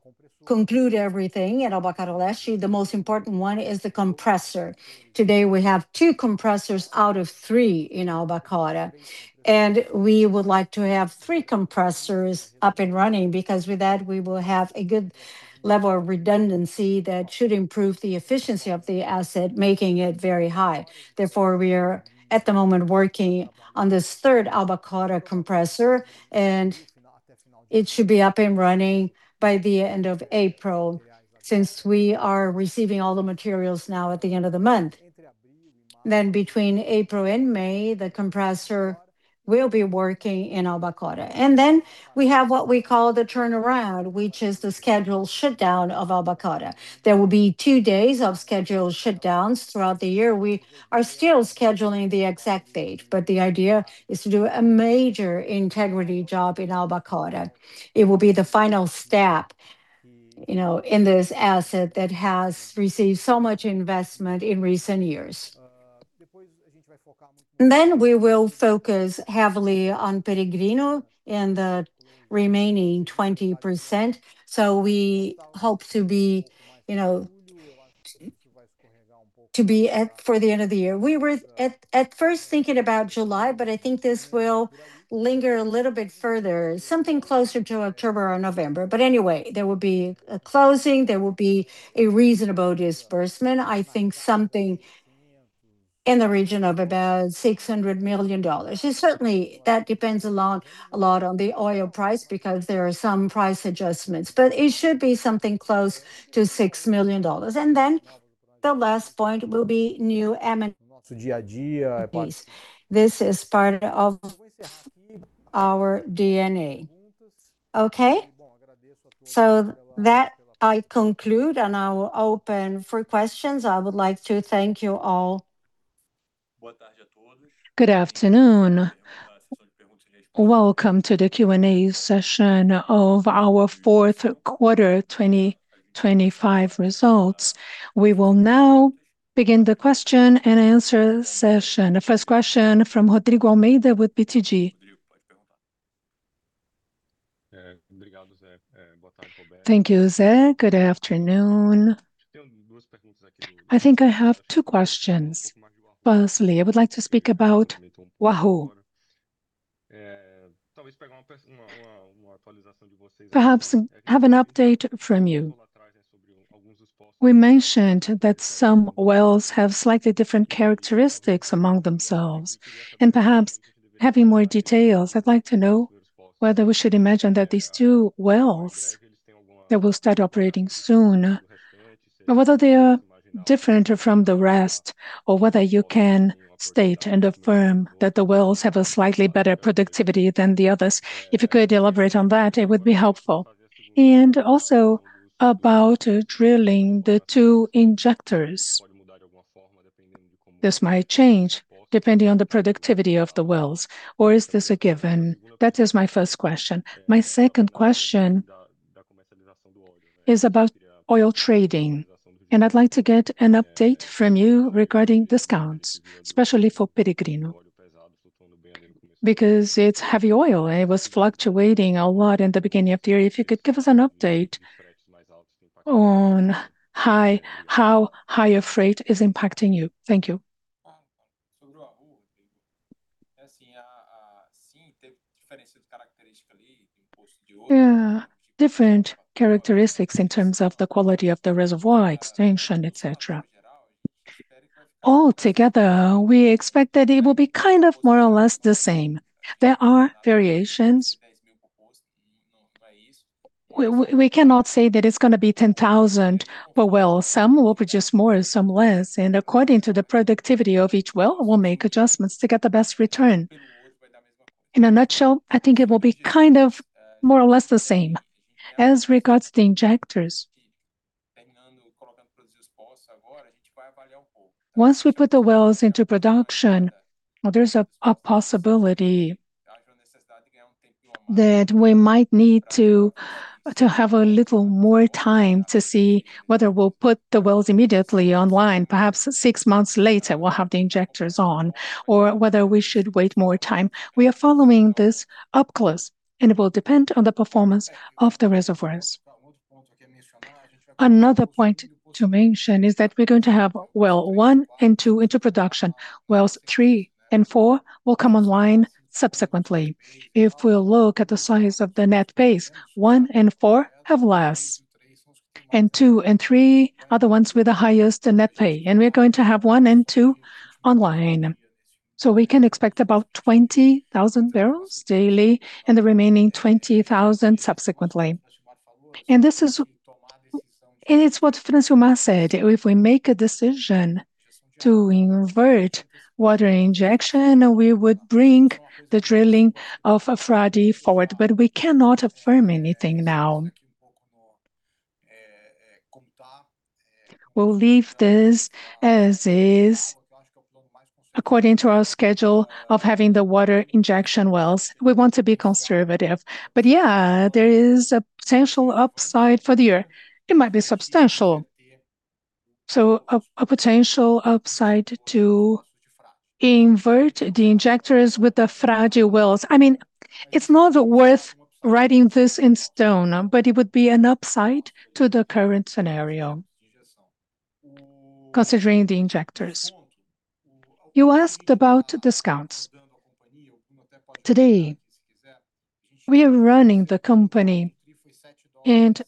conclude everything at Albacora Leste. The most important one is the compressor. Today, we have two compressors out of three in Albacora, and we would like to have three compressors up and running because with that we will have a good level of redundancy that should improve the efficiency of the asset, making it very high. Therefore, we are at the moment working on this third Albacora compressor, and it should be up and running by the end of April since we are receiving all the materials now at the end of the month. Between April and May, the compressor will be working in Albacora. Then we have what we call the turnaround, which is the scheduled shutdown of Albacora. There will be two days of scheduled shutdowns throughout the year. We are still scheduling the exact date, but the idea is to do a major integrity job in Albacora. It will be the final step, you know, in this asset that has received so much investment in recent years. We will focus heavily on Peregrino and the remaining 20%, so we hope to be, you know, to be at for the end of the year. We were at first thinking about July, but I think this will linger a little bit further, something closer to October or November. Anyway, there will be a closing, there will be a reasonable disbursement. I think something in the region of about $600 million. It certainly that depends a lot on the oil price because there are some price adjustments, but it should be something close to $6 million. Then the last point will be new M&A. This is part of our DNA. Okay? To conclude, I will open for questions. I would like to thank you all. Good afternoon. Welcome to the Q&A session of our Q4 2025 results. We will now begin the question and answer session. The first question from Rodrigo Almeida with BTG. Thank you, Zé. Good afternoon. I think I have two questions. Firstly, I would like to speak about Wahoo. Perhaps have an update from you. We mentioned that some wells have slightly different characteristics among themselves. Perhaps having more details, I'd like to know whether we should imagine that these two wells that will start operating soon, whether they are different from the rest or whether you can state and affirm that the wells have a slightly better productivity than the others. If you could elaborate on that, it would be helpful. Also about drilling the two injectors. This might change depending on the productivity of the wells. Or is this a given? That is my first question. My second question is about oil trading, and I'd like to get an update from you regarding discounts, especially for Peregrino, because it's heavy oil, and it was fluctuating a lot in the beginning of the year. If you could give us an update on how higher freight is impacting you. Thank you. Yeah. Different characteristics in terms of the quality of the reservoir extension, et cetera. All together, we expect that it will be kind of more or less the same. There are variations. We cannot say that it's gonna be 10,000 per well. Some will produce more and some less, and according to the productivity of each well, we'll make adjustments to get the best return. In a nutshell, I think it will be kind of more or less the same. As regards the injectors. Once we put the wells into production, there's a possibility that we might need to have a little more time to see whether we'll put the wells immediately online. Perhaps six months later, we'll have the injectors on or whether we should wait more time. We are following this up close, and it will depend on the performance of the reservoirs. Another point to mention is that we're going to have well 1 and 2 into production. Wells 3 and 4 will come online subsequently. If we look at the size of the net pay, 1 and 4 have less, and 2 and 3 are the ones with the highest net pay. We're going to have 1 and 2 online. We can expect about 20,000 barrels daily and the remaining 20,000 subsequently. This is what Francisco Francilmar Fernandes said. If we make a decision to invest water injection, we would bring the drilling of Frade forward, but we cannot affirm anything now. We'll leave this as is according to our schedule of having the water injection wells. We want to be conservative. Yeah, there is a potential upside for the year. It might be substantial. A potential upside to invert the injectors with the fragile wells. I mean, it's not worth writing this in stone, but it would be an upside to the current scenario considering the injectors. You asked about discounts. Today, we are running the company, and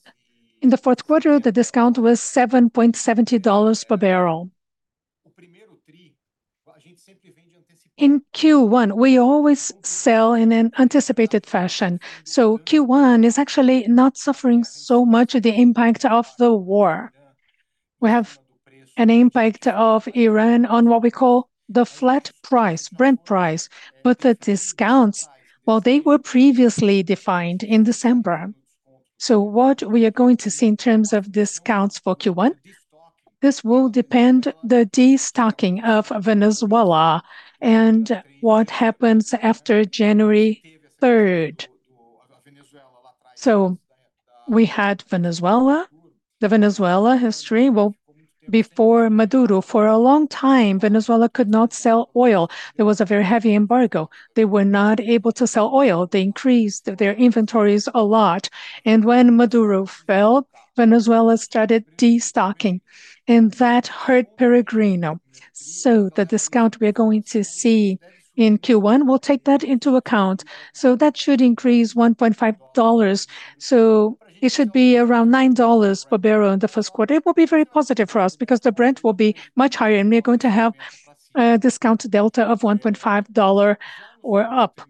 in the Q4, the discount was $7.70 per barrel. In Q1, we always sell in an anticipated fashion, so Q1 is actually not suffering so much of the impact of the war. We have an impact of Iran on what we call the flat price, Brent price, but the discounts, well, they were previously defined in December. What we are going to see in terms of discounts for Q1, this will depend on the destocking of Venezuela and what happens after January 3rd. We had Venezuela. The Venezuela history, well, before Maduro, for a long time Venezuela could not sell oil. There was a very heavy embargo. They were not able to sell oil. They increased their inventories a lot, and when Maduro fell, Venezuela started destocking, and that hurt Peregrino. The discount we are going to see in Q1 will take that into account, so that should increase $1.50, so it should be around $9 per barrel in the Q1. It will be very positive for us because the Brent will be much higher, and we are going to have a discount delta of $1.50 or up.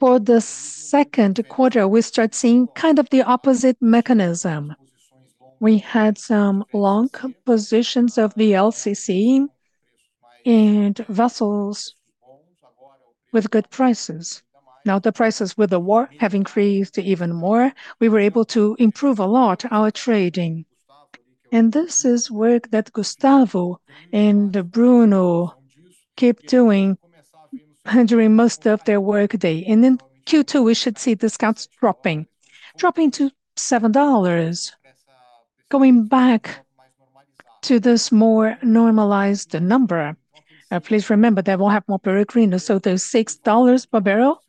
For the Q2, we start seeing kind of the opposite mechanism. We had some long positions of the VLCC and vessels with good prices. Now the prices with the war have increased even more. We were able to improve a lot our trading, and this is work that Gustavo and Bruno keep doing during most of their workday. In Q2, we should see discounts dropping to $7, going back to this more normalized number. Please remember they will have more Peregrino, so those $6 per barrel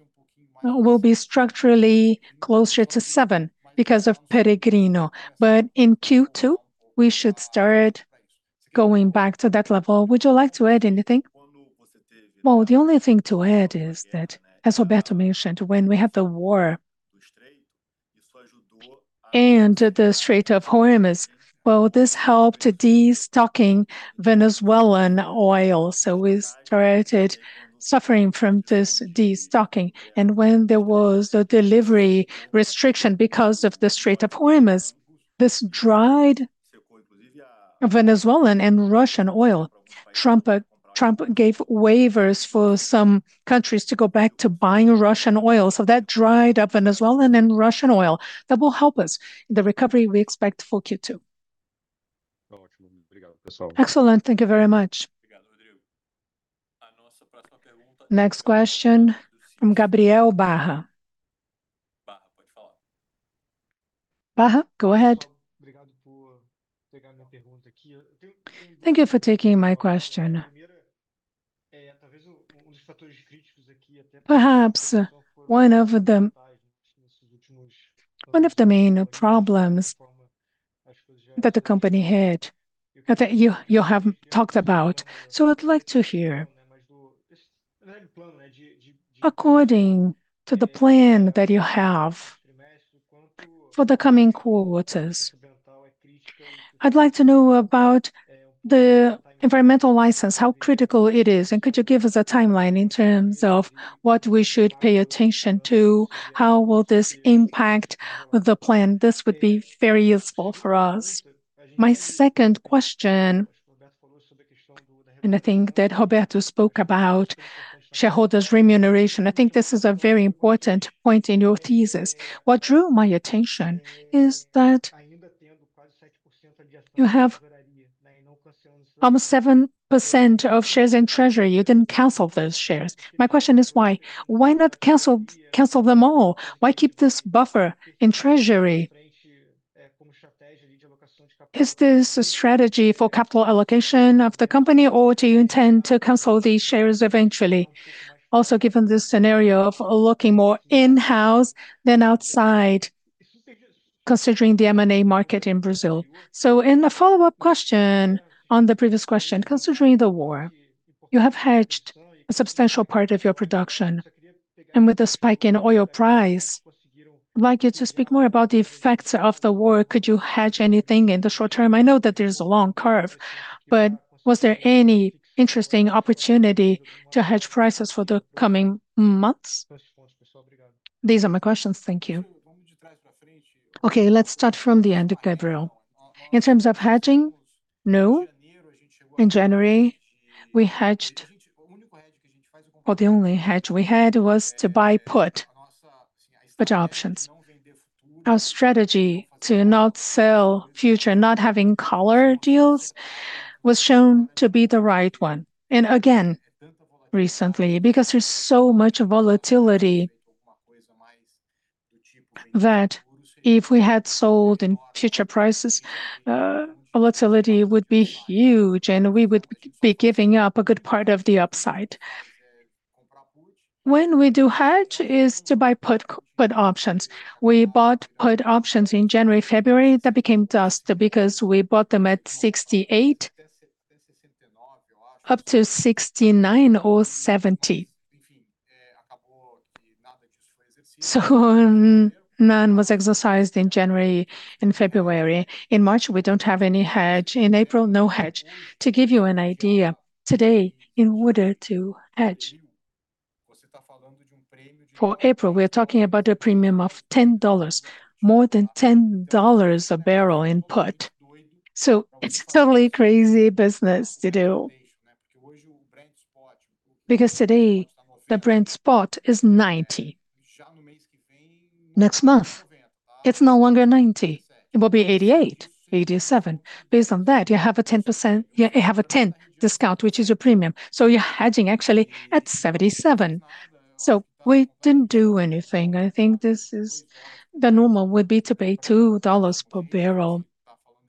will be structurally closer to $7 because of Peregrino. In Q2, we should start going back to that level. Would you like to add anything? Well, the only thing to add is that, as Roberto mentioned, when we have the war and the Strait of Hormuz, well, this helped destocking Venezuelan oil, so we started suffering from this destocking. When there was the delivery restriction because of the Strait of Hormuz, this dried Venezuelan and Russian oil. Trump gave waivers for some countries to go back to buying Russian oil, so that dried up Venezuelan and Russian oil. That will help us, the recovery we expect for Q2. Excellent. Thank you very much. Next question from Gabriel Barra. Barra, go ahead. Thank you for taking my question. Perhaps one of the main problems that the company had that you have talked about, so I'd like to hear. According to the plan that you have for the coming quarters, I'd like to know about the environmental license, how critical it is, and could you give us a timeline in terms of what we should pay attention to? How will this impact the plan? This would be very useful for us. My second question, and I think that Roberto spoke about shareholders' remuneration. I think this is a very important point in your thesis. What drew my attention is that you have almost 7% of shares in treasury. You didn't cancel those shares. My question is why. Why not cancel them all? Why keep this buffer in treasury? Is this a strategy for capital allocation of the company, or do you intend to cancel these shares eventually also given the scenario of looking more in-house than outside considering the M&A market in Brazil? A follow-up question on the previous question, considering the war, you have hedged a substantial part of your production, and with the spike in oil price, I'd like you to speak more about the effects of the war. Could you hedge anything in the short term? I know that there's a long curve, but was there any interesting opportunity to hedge prices for the coming months? These are my questions. Thank you. Okay, let's start from the end, Gabriel. In terms of hedging, no. In January, we hedged, or the only hedge we had was to buy put options. Our strategy to not sell futures, not having collar deals, was shown to be the right one and again recently. There's so much volatility that if we had sold in future prices, volatility would be huge and we would be giving up a good part of the upside. When we do hedge is to buy put options. We bought put options in January, February, that became dust because we bought them at 68 up to 69 or 70. None was exercised in January and February. In March, we don't have any hedge. In April, no hedge. To give you an idea, today, in order to hedge for April, we are talking about a premium of $10, more than $10 a barrel in put. It's totally crazy business to do. Today the Brent spot is $90. Next month it's no longer 90, it will be 88, 87. Based on that, you have a 10%. You have a 10% discount, which is your premium. You're hedging actually at 77. We didn't do anything. I think this is the normal would be to pay $2 per barrel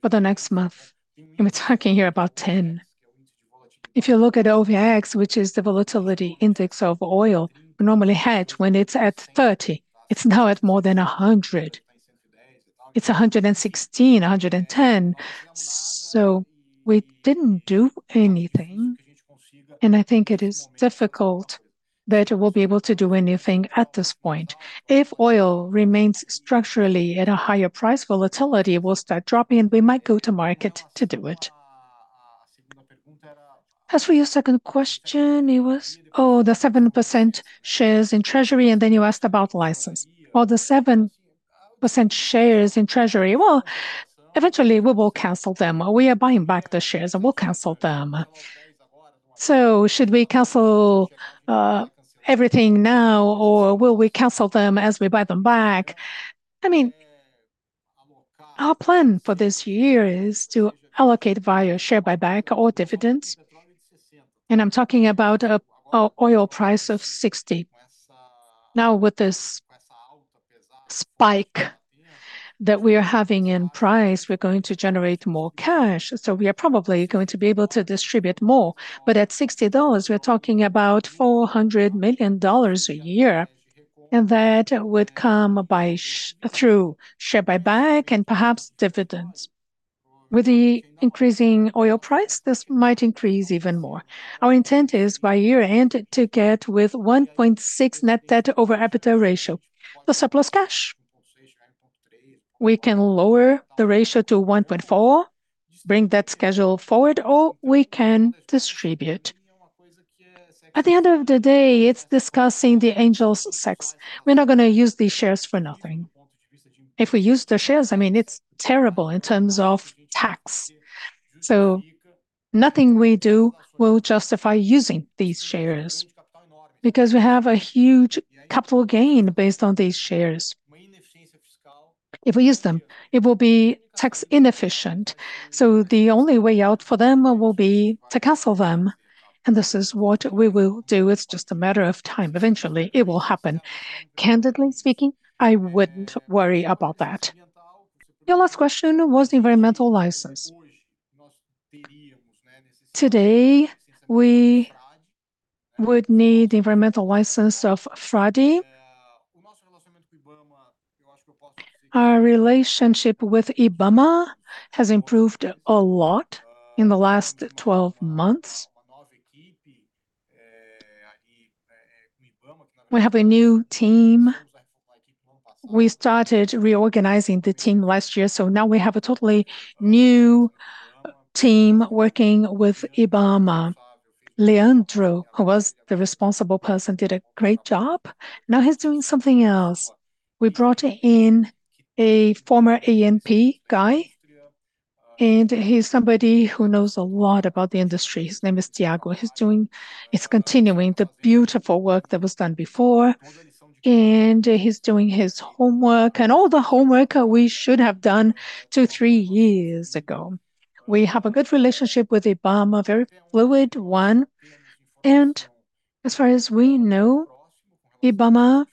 for the next month, and we're talking here about $10. If you look at OVX, which is the volatility index of oil, we normally hedge when it's at 30. It's now at more than 100. It's 116, 110. We didn't do anything, and I think it is difficult that we'll be able to do anything at this point. If oil remains structurally at a higher price, volatility will start dropping and we might go to market to do it. As for your second question, it was? Oh, the 7% shares in Treasury, and then you asked about license. Well, the 7% shares in Treasury, eventually we will cancel them. We are buying back the shares and we'll cancel them. Should we cancel everything now or will we cancel them as we buy them back? I mean, our plan for this year is to allocate via share buyback or dividends, and I'm talking about a oil price of $60. Now, with this spike that we are having in price, we're going to generate more cash, so we are probably going to be able to distribute more. At $60, we're talking about $400 million a year, and that would come through share buyback and perhaps dividends. With the increasing oil price, this might increase even more. Our intent is by year-end to get to 1.6 net debt over EBITDA ratio. The surplus cash, we can lower the ratio to 1.4, bring that schedule forward, or we can distribute. At the end of the day, it's discussing the angel's share. We're not gonna use these shares for nothing. If we use the shares, I mean, it's terrible in terms of tax. Nothing we do will justify using these shares because we have a huge capital gain based on these shares. If we use them, it will be tax inefficient, so the only way out for them will be to cancel them, and this is what we will do. It's just a matter of time. Eventually, it will happen. Candidly speaking, I wouldn't worry about that. Your last question was the environmental license. Today, we would need the environmental license of Frade. Our relationship with IBAMA has improved a lot in the last 12 months. We have a new team. We started reorganizing the team last year, so now we have a totally new team working with IBAMA. Leandro, who was the responsible person, did a great job. Now he's doing something else. We brought in a former ANP guy, and he's somebody who knows a lot about the industry. His name is Thiago. He's continuing the beautiful work that was done before, and he's doing his homework and all the homework we should have done 2, 3 years ago. We have a good relationship with IBAMA, a very fluid one. As far as we know, IBAMA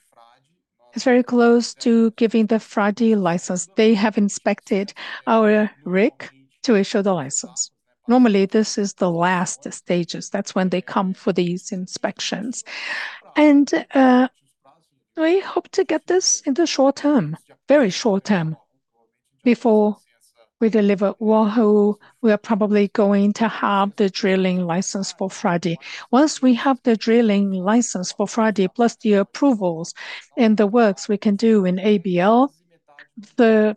is very close to giving the Frade license. They have inspected our rig to issue the license. Normally, this is the last stages. That's when they come for these inspections. We hope to get this in the short term, very short term. Before we deliver Wahoo, we are probably going to have the drilling license for Frade. Once we have the drilling license for Frade, plus the approvals and the works we can do in ABL, the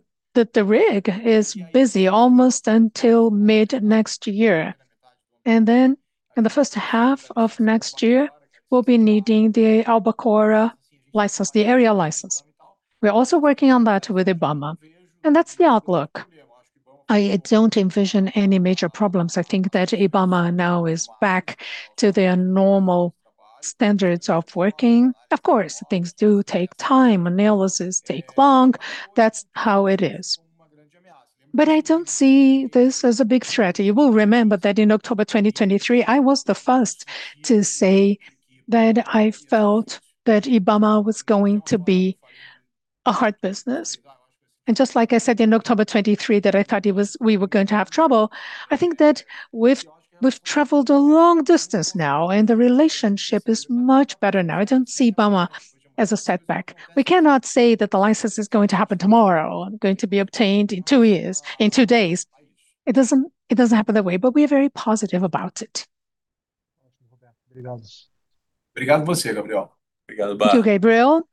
rig is busy almost until mid next year. In the first half of next year, we'll be needing the Albacora license, the area license. We are also working on that with IBAMA, and that's the outlook. I don't envision any major problems. I think that IBAMA now is back to their normal standards of working. Of course, things do take time, analysis take long. That's how it is. I don't see this as a big threat. You will remember that in October 2023 I was the first to say that I felt that IBAMA was going to be a hard business. Just like I said in October 2023 that I thought it was, we were going to have trouble, I think that we've traveled a long distance now, and the relationship is much better now. I don't see IBAMA as a setback. We cannot say that the license is going to happen tomorrow, going to be obtained in 2 years, in 2 days. It doesn't happen that way, but we are very positive about it. To Gabriel.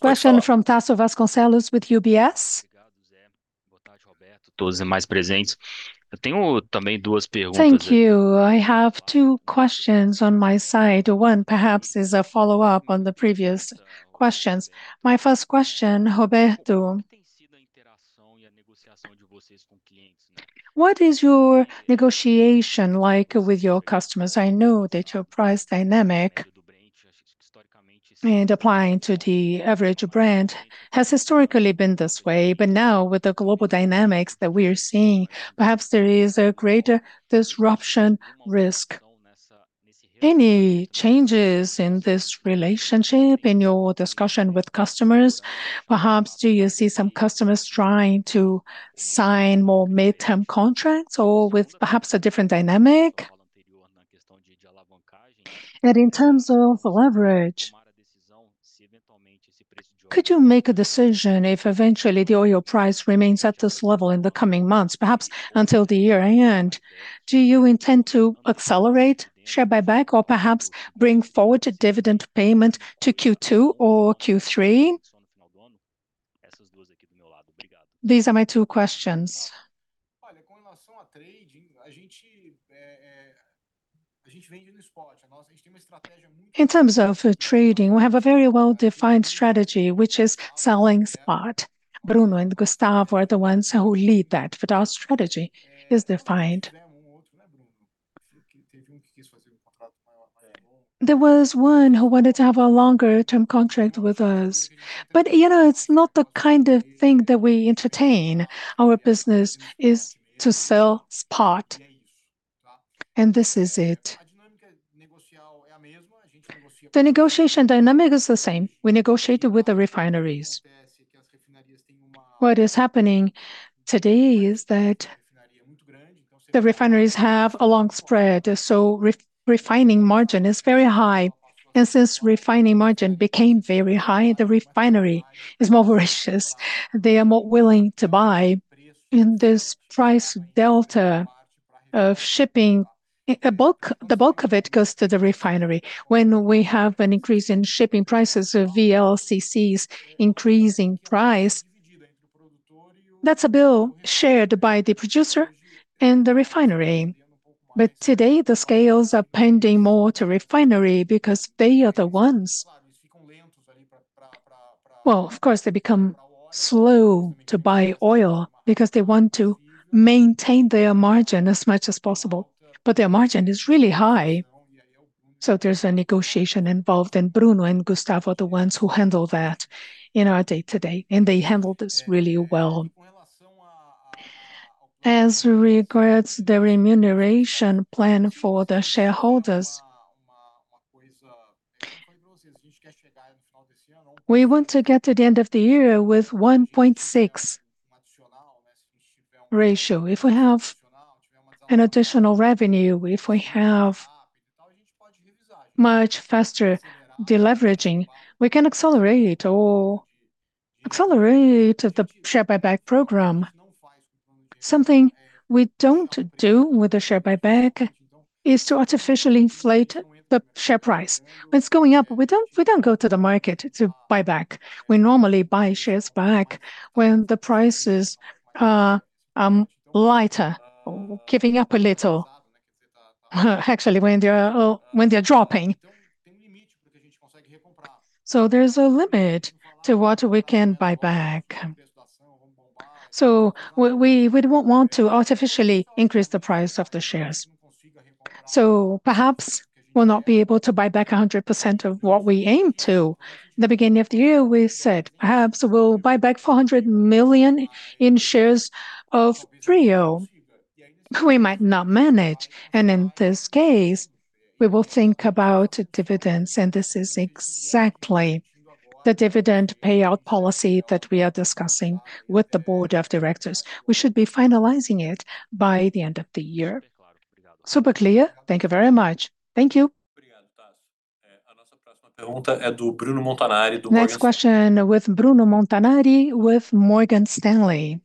Question from Tasso Vasconcellos with UBS. Thank you. I have two questions on my side. One perhaps is a follow-up on the previous questions. My first question, Roberto. What is your negotiation like with your customers? I know that your price dynamic applying to the average brand has historically been this way, but now with the global dynamics that we are seeing, perhaps there is a greater disruption risk. Any changes in this relationship in your discussion with customers? Perhaps do you see some customers trying to sign more midterm contracts or with perhaps a different dynamic? In terms of leverage, could you make a decision if eventually the oil price remains at this level in the coming months, perhaps until the year end? Do you intend to accelerate share buyback or perhaps bring forward a dividend payment to Q2 or Q3? These are my two questions. In terms of trading, we have a very well-defined strategy which is selling spot. Bruno and Gustavo are the ones who lead that, but our strategy is defined. There was one who wanted to have a longer term contract with us, but, you know, it's not the kind of thing that we entertain. Our business is to sell spot, and this is it. The negotiation dynamic is the same. We negotiated with the refineries. What is happening today is that the refineries have a long spread, so refining margin is very high. Since refining margin became very high, the refinery is more voracious. They are more willing to buy in this price delta of shipping. The bulk of it goes to the refinery. When we have an increase in shipping prices of VLCCs increasing price, that's a bill shared by the producer and the refinery. Today, the scales are pending more to refinery because they are the ones. Well, of course, they become slow to buy oil because they want to maintain their margin as much as possible, but their margin is really high. There's a negotiation involved, and Bruno and Gustavo are the ones who handle that in our day-to-day, and they handle this really well. As regards the remuneration plan for the shareholders. We want to get to the end of the year with 1.6 ratio. If we have an additional revenue, if we have much faster deleveraging, we can accelerate the share buyback program. Something we don't do with a share buyback is to artificially inflate the share price. When it's going up, we don't go to the market to buy back. We normally buy shares back when the price is lighter or giving up a little. Actually when they are dropping. There's a limit to what we can buy back. We don't want to artificially increase the price of the shares. Perhaps we'll not be able to buy back 100% of what we aim to. In the beginning of the year, we said, "Perhaps we'll buy back 400 million in shares of Prio." We might not manage, and in this case, we will think about dividends, and this is exactly the dividend payout policy that we are discussing with the board of directors. We should be finalizing it by the end of the year. Super clear. Thank you very much. Thank you. Next question with Bruno Montanari with Morgan Stanley.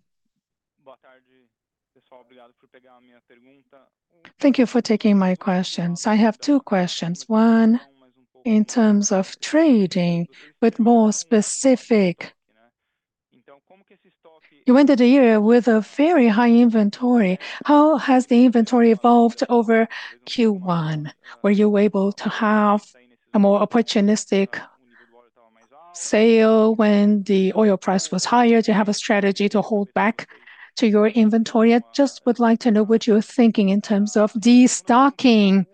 Thank you for taking my questions. I have two questions. One, in terms of trading, but more specific. You ended the year with a very high inventory. How has the inventory evolved over Q1? Were you able to have a more opportunistic sale when the oil price was higher? Do you have a strategy to hold back your inventory? I just would like to know what you're thinking in terms of destocking.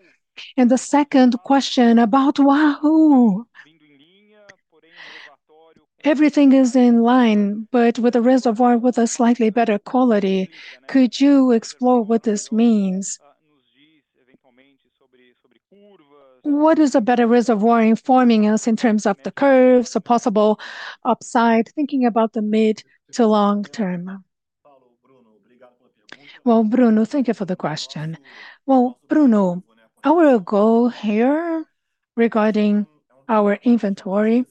The second question about Wahoo. Everything is in line, but with the reservoir with a slightly better quality, could you explore what this means? What is a better reservoir informing us in terms of the curves or possible upside, thinking about the mid to long-term? Well, Bruno, thank you for the question. Well, Bruno, our goal here regarding our inventory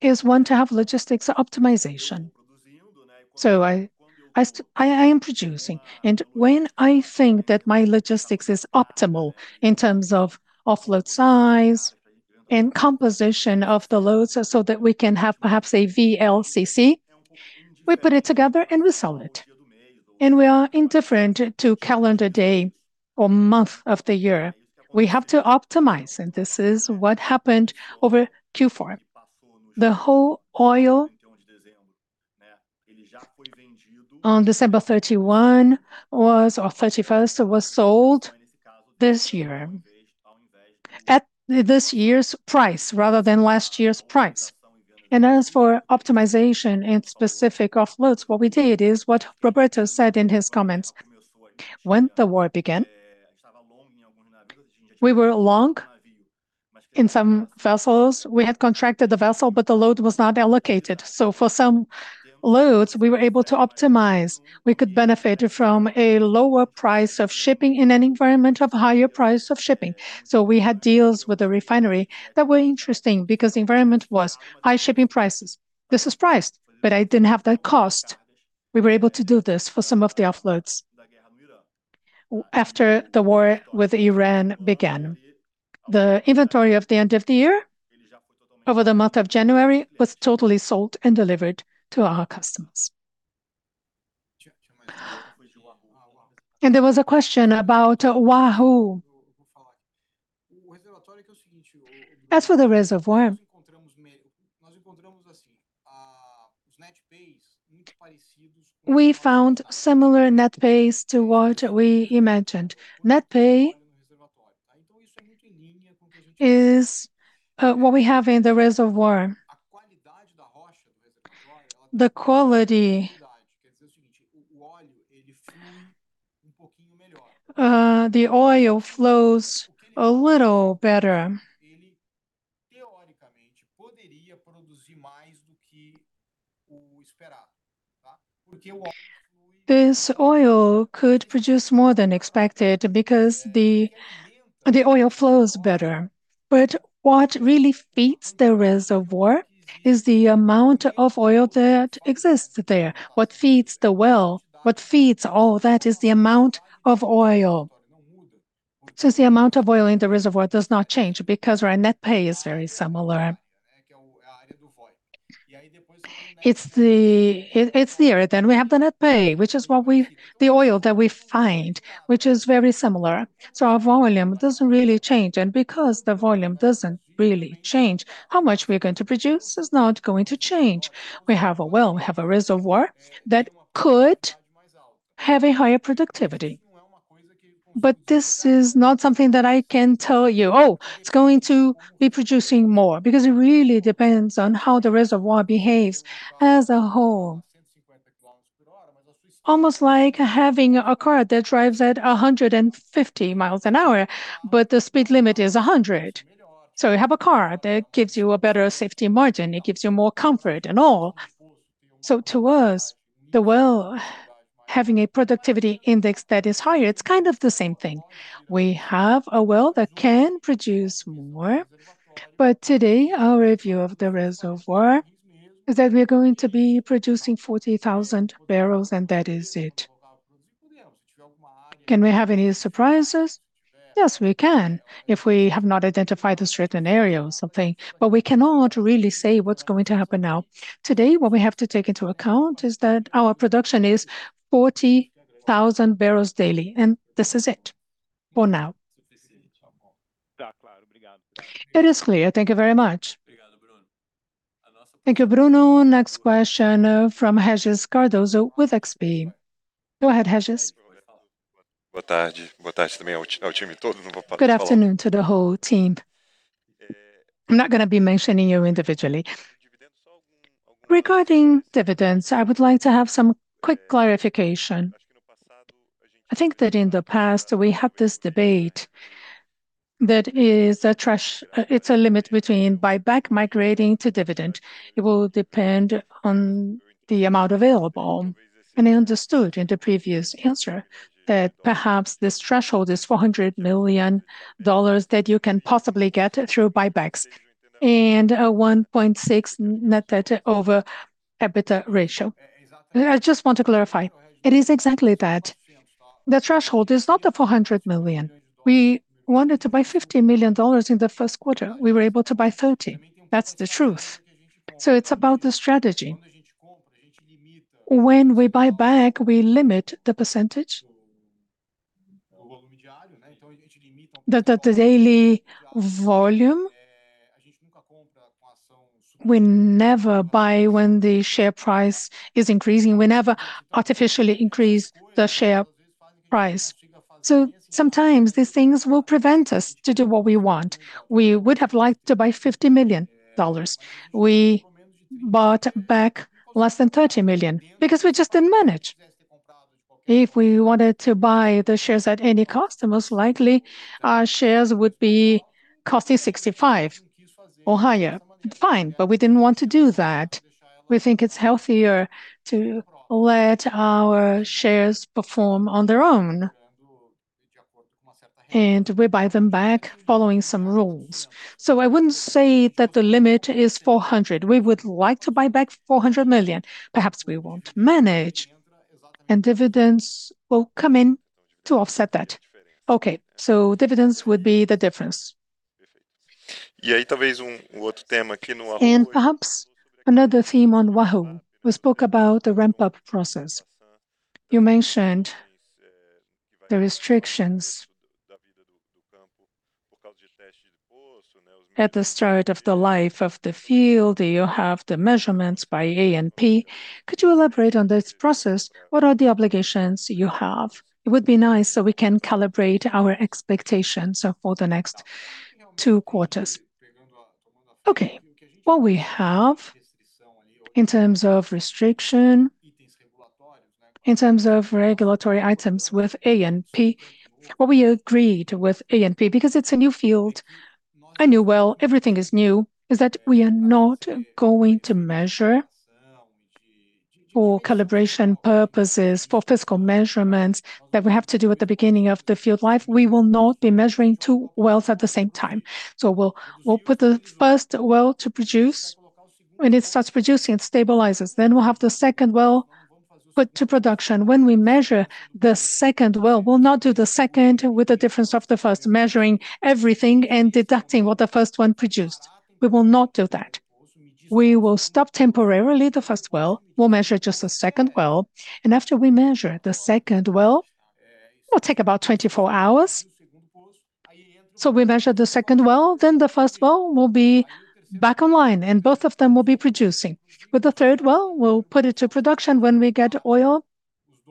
is one to have logistics optimization. I am producing, and when I think that my logistics is optimal in terms of offload size and composition of the loads so that we can have perhaps a VLCC, we put it together and we sell it. We are indifferent to calendar day or month of the year. We have to optimize, and this is what happened over Q4. The whole oil on December 31st was sold this year at this year's price rather than last year's price. As for optimization and specific offloads, what we did is what Roberto said in his comments. When the war began, we were long in some vessels. We had contracted the vessel, but the load was not allocated. So for some loads, we were able to optimize. We could benefit from a lower price of shipping in an environment of higher price of shipping. We had deals with the refinery that were interesting because the environment was high shipping prices. This is priced, but I didn't have that cost. We were able to do this for some of the offloads. After the war with Iran began, the inventory of the end of the year over the month of January was totally sold and delivered to our customers. There was a question about Wahoo. As for the reservoir, we found similar net pays to what we imagined. Net pay is what we have in the reservoir. The quality, the oil flows a little better. This oil could produce more than expected because the oil flows better. What really feeds the reservoir is the amount of oil that exists there. What feeds the well, what feeds all that, is the amount of oil. It's the amount of oil in the reservoir does not change because our net pay is very similar. It's there, then we have the net pay, which is what we've the oil that we find, which is very similar. Our volume doesn't really change, and because the volume doesn't really change, how much we're going to produce is not going to change. We have a well, we have a reservoir that could have a higher productivity. This is not something that I can tell you, "Oh, it's going to be producing more," because it really depends on how the reservoir behaves as a whole. Almost like having a car that drives at 150 miles an hour, but the speed limit is 100. You have a car that gives you a better safety margin, it gives you more comfort and all. To us, the well having a productivity index that is higher, it's kind of the same thing. We have a well that can produce more, but today, our review of the reservoir is that we're going to be producing 40,000 barrels, and that is it. Can we have any surprises? Yes, we can, if we have not identified the certain area or something. But we cannot really say what's going to happen now. Today, what we have to take into account is that our production is 40,000 barrels daily, and this is it for now. It is clear. Thank you very much. Thank you, Bruno. Next question, from Regis Cardoso with XP. Go ahead, Regis. Good afternoon to the whole team. I'm not gonna be mentioning you individually. Regarding dividends, I would like to have some quick clarification. I think that in the past, we had this debate that is a threshold. It's a limit between buyback migrating to dividend. It will depend on the amount available. I understood in the previous answer that perhaps this threshold is $400 million that you can possibly get through buybacks and one point six net debt over EBITDA ratio. I just want to clarify. It is exactly that. The threshold is not the $400 million. We wanted to buy $50 million in the Q1. We were able to buy 30. That's the truth. It's about the strategy. When we buy back, we limit the percentage. The daily volume, we never buy when the share price is increasing. We never artificially increase the share price. Sometimes these things will prevent us to do what we want. We would have liked to buy $50 million. We bought back less than $30 million because we just didn't manage. If we wanted to buy the shares at any cost, then most likely our shares would be costing 65 or higher. Fine. We didn't want to do that. We think it's healthier to let our shares perform on their own. We buy them back following some rules. I wouldn't say that the limit is 400. We would like to buy back $400 million. Perhaps we won't manage, and dividends will come in to offset that. Okay, dividends would be the difference. Perhaps another theme on Wahoo. We spoke about the ramp-up process. You mentioned the restrictions at the start of the life of the field. You have the measurements by ANP. Could you elaborate on this process? What are the obligations you have? It would be nice so we can calibrate our expectations for the next two quarters. Okay. What we have in terms of restriction, in terms of regulatory items with ANP, what we agreed with ANP, because it's a new field, a new well, everything is new, is that we are not going to measure for calibration purposes, for physical measurements that we have to do at the beginning of the field life. We will not be measuring two wells at the same time. We'll put the first well to produce. When it starts producing, it stabilizes. Then we'll have the second well put to production. When we measure the second well, we'll not do the second with the difference of the first, measuring everything and deducting what the first one produced. We will not do that. We will stop temporarily the first well. We'll measure just the second well, and after we measure the second well, it'll take about 24 hours. We measure the second well, then the first well will be back online and both of them will be producing. With the third well, we'll put it to production. When we get oil,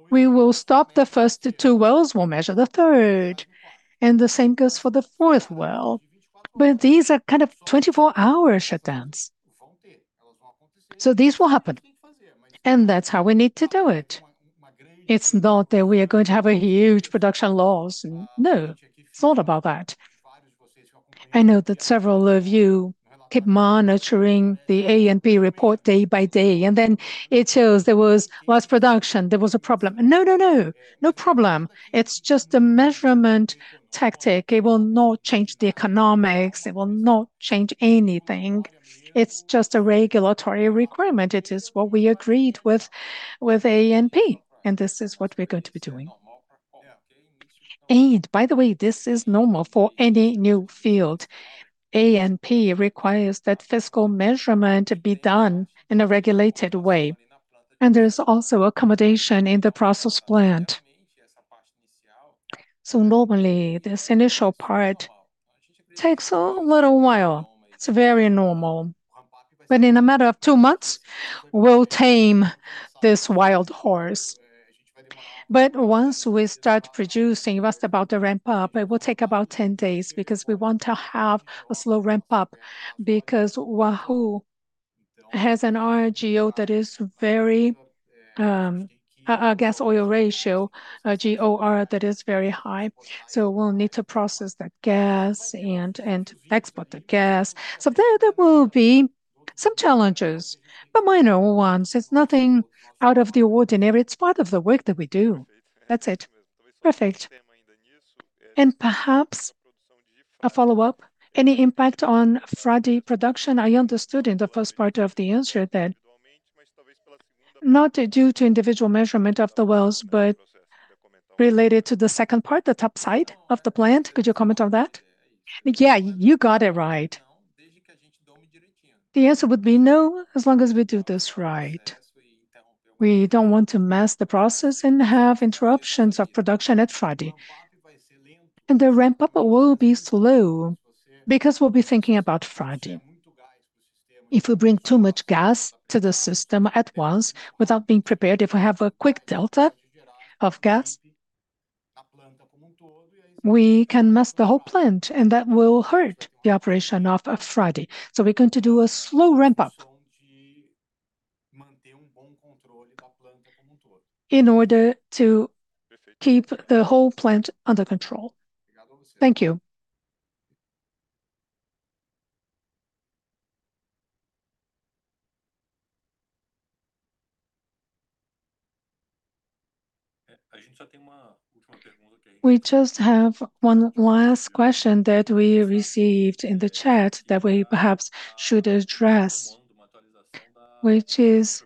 we will stop the first two wells. We'll measure the third, and the same goes for the fourth well. These are kind of 24-hour shutdowns. These will happen, and that's how we need to do it. It's not that we are going to have a huge production loss. No, it's not about that. I know that several of you keep monitoring the ANP report day by day, and then it shows there was less production, there was a problem. No, no. No problem. It's just a measurement tactic. It will not change the economics. It will not change anything. It's just a regulatory requirement. It is what we agreed with ANP, and this is what we're going to be doing. By the way, this is normal for any new field. ANP requires that physical measurement be done in a regulated way, and there is also accommodation in the process plant. Normally, this initial part takes a little while. It's very normal. In a matter of two months, we'll tame this wild horse. Once we start producing, you asked about the ramp-up, it will take about 10 days because we want to have a slow ramp-up because Wahoo has a GOR, gas-oil ratio, that is very high. So we'll need to process that gas and export the gas. So there will be some challenges, but minor ones. It's nothing out of the ordinary. It's part of the work that we do. That's it. Perfect. Perhaps a follow-up, any impact on Frade production? I understood in the first part of the answer that not due to individual measurement of the wells, but related to the second part, the topside of the plant. Could you comment on that? Yeah, you got it right. The answer would be no, as long as we do this right. We don't want to mess the process and have interruptions of production at Frade. The ramp-up will be slow because we'll be thinking about Frade. If we bring too much gas to the system at once without being prepared, if we have a quick delta of gas, we can mess the whole plant, and that will hurt the operation of Frade. We're going to do a slow ramp-up in order to keep the whole plant under control. Thank you. We just have one last question that we received in the chat that we perhaps should address, which is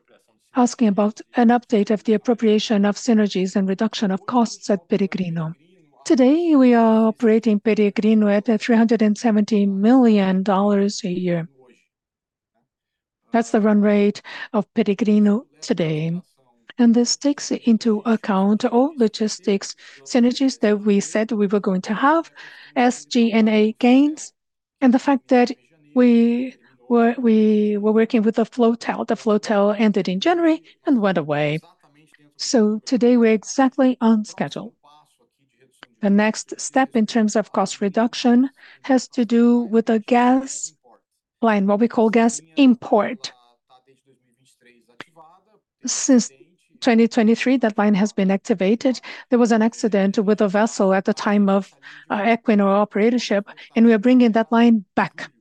asking about an update of the appropriation of synergies and reduction of costs at Peregrino. Today, we are operating Peregrino at $370 million a year. That's the run rate of Peregrino today. This takes into account all logistics, synergies that we said we were going to have, SG&A gains and the fact that we were working with a floatel. The floatel ended in January and went away. Today we are exactly on schedule. The next step in terms of cost reduction has to do with the gas line, what we call gas import. Since 2023, that line has been activated. There was an accident with a vessel at the time of Equinor operatorship, and we are bringing that line back.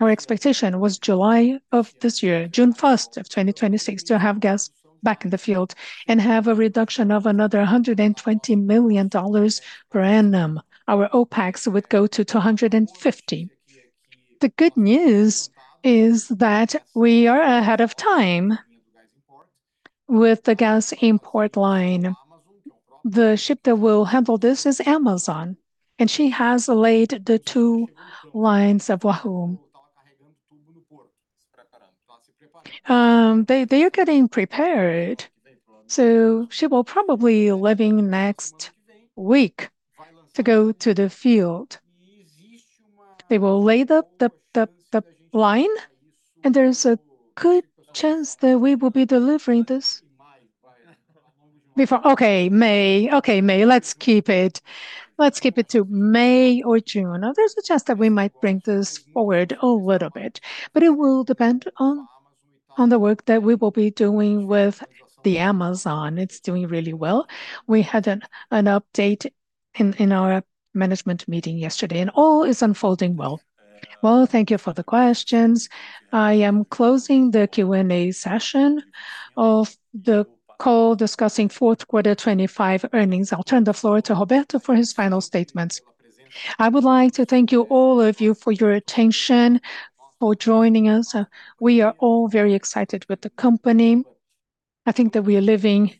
Our expectation was July of this year, June 1, 2026, to have gas back in the field and have a reduction of another $120 million per annum. Our OpEx would go to $250. The good news is that we are ahead of time with the gas import line. The ship that will handle this is Valente, and she has laid the two lines of Wahoo. They are getting prepared, so she will probably leaving next week to go to the field. They will lay the line, and there is a good chance that we will be delivering this before May. Let's keep it to May or June. Now, there's a chance that we might bring this forward a little bit, but it will depend on the work that we will be doing with the Valente. It's doing really well. We had an update in our management meeting yesterday, and all is unfolding well. Well, thank you for the questions. I am closing the Q&A session of the call discussing Q4 2025 earnings. I'll turn the floor to Roberto for his final statements. I would like to thank you, all of you, for your attention, for joining us. We are all very excited with the company. I think that we are living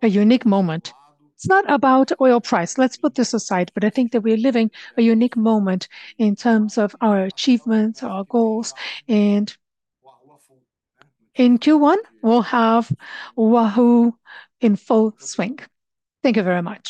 a unique moment. It's not about oil price, let's put this aside, but I think that we are living a unique moment in terms of our achievements, our goals. In Q1, we'll have Wahoo in full swing. Thank you very much.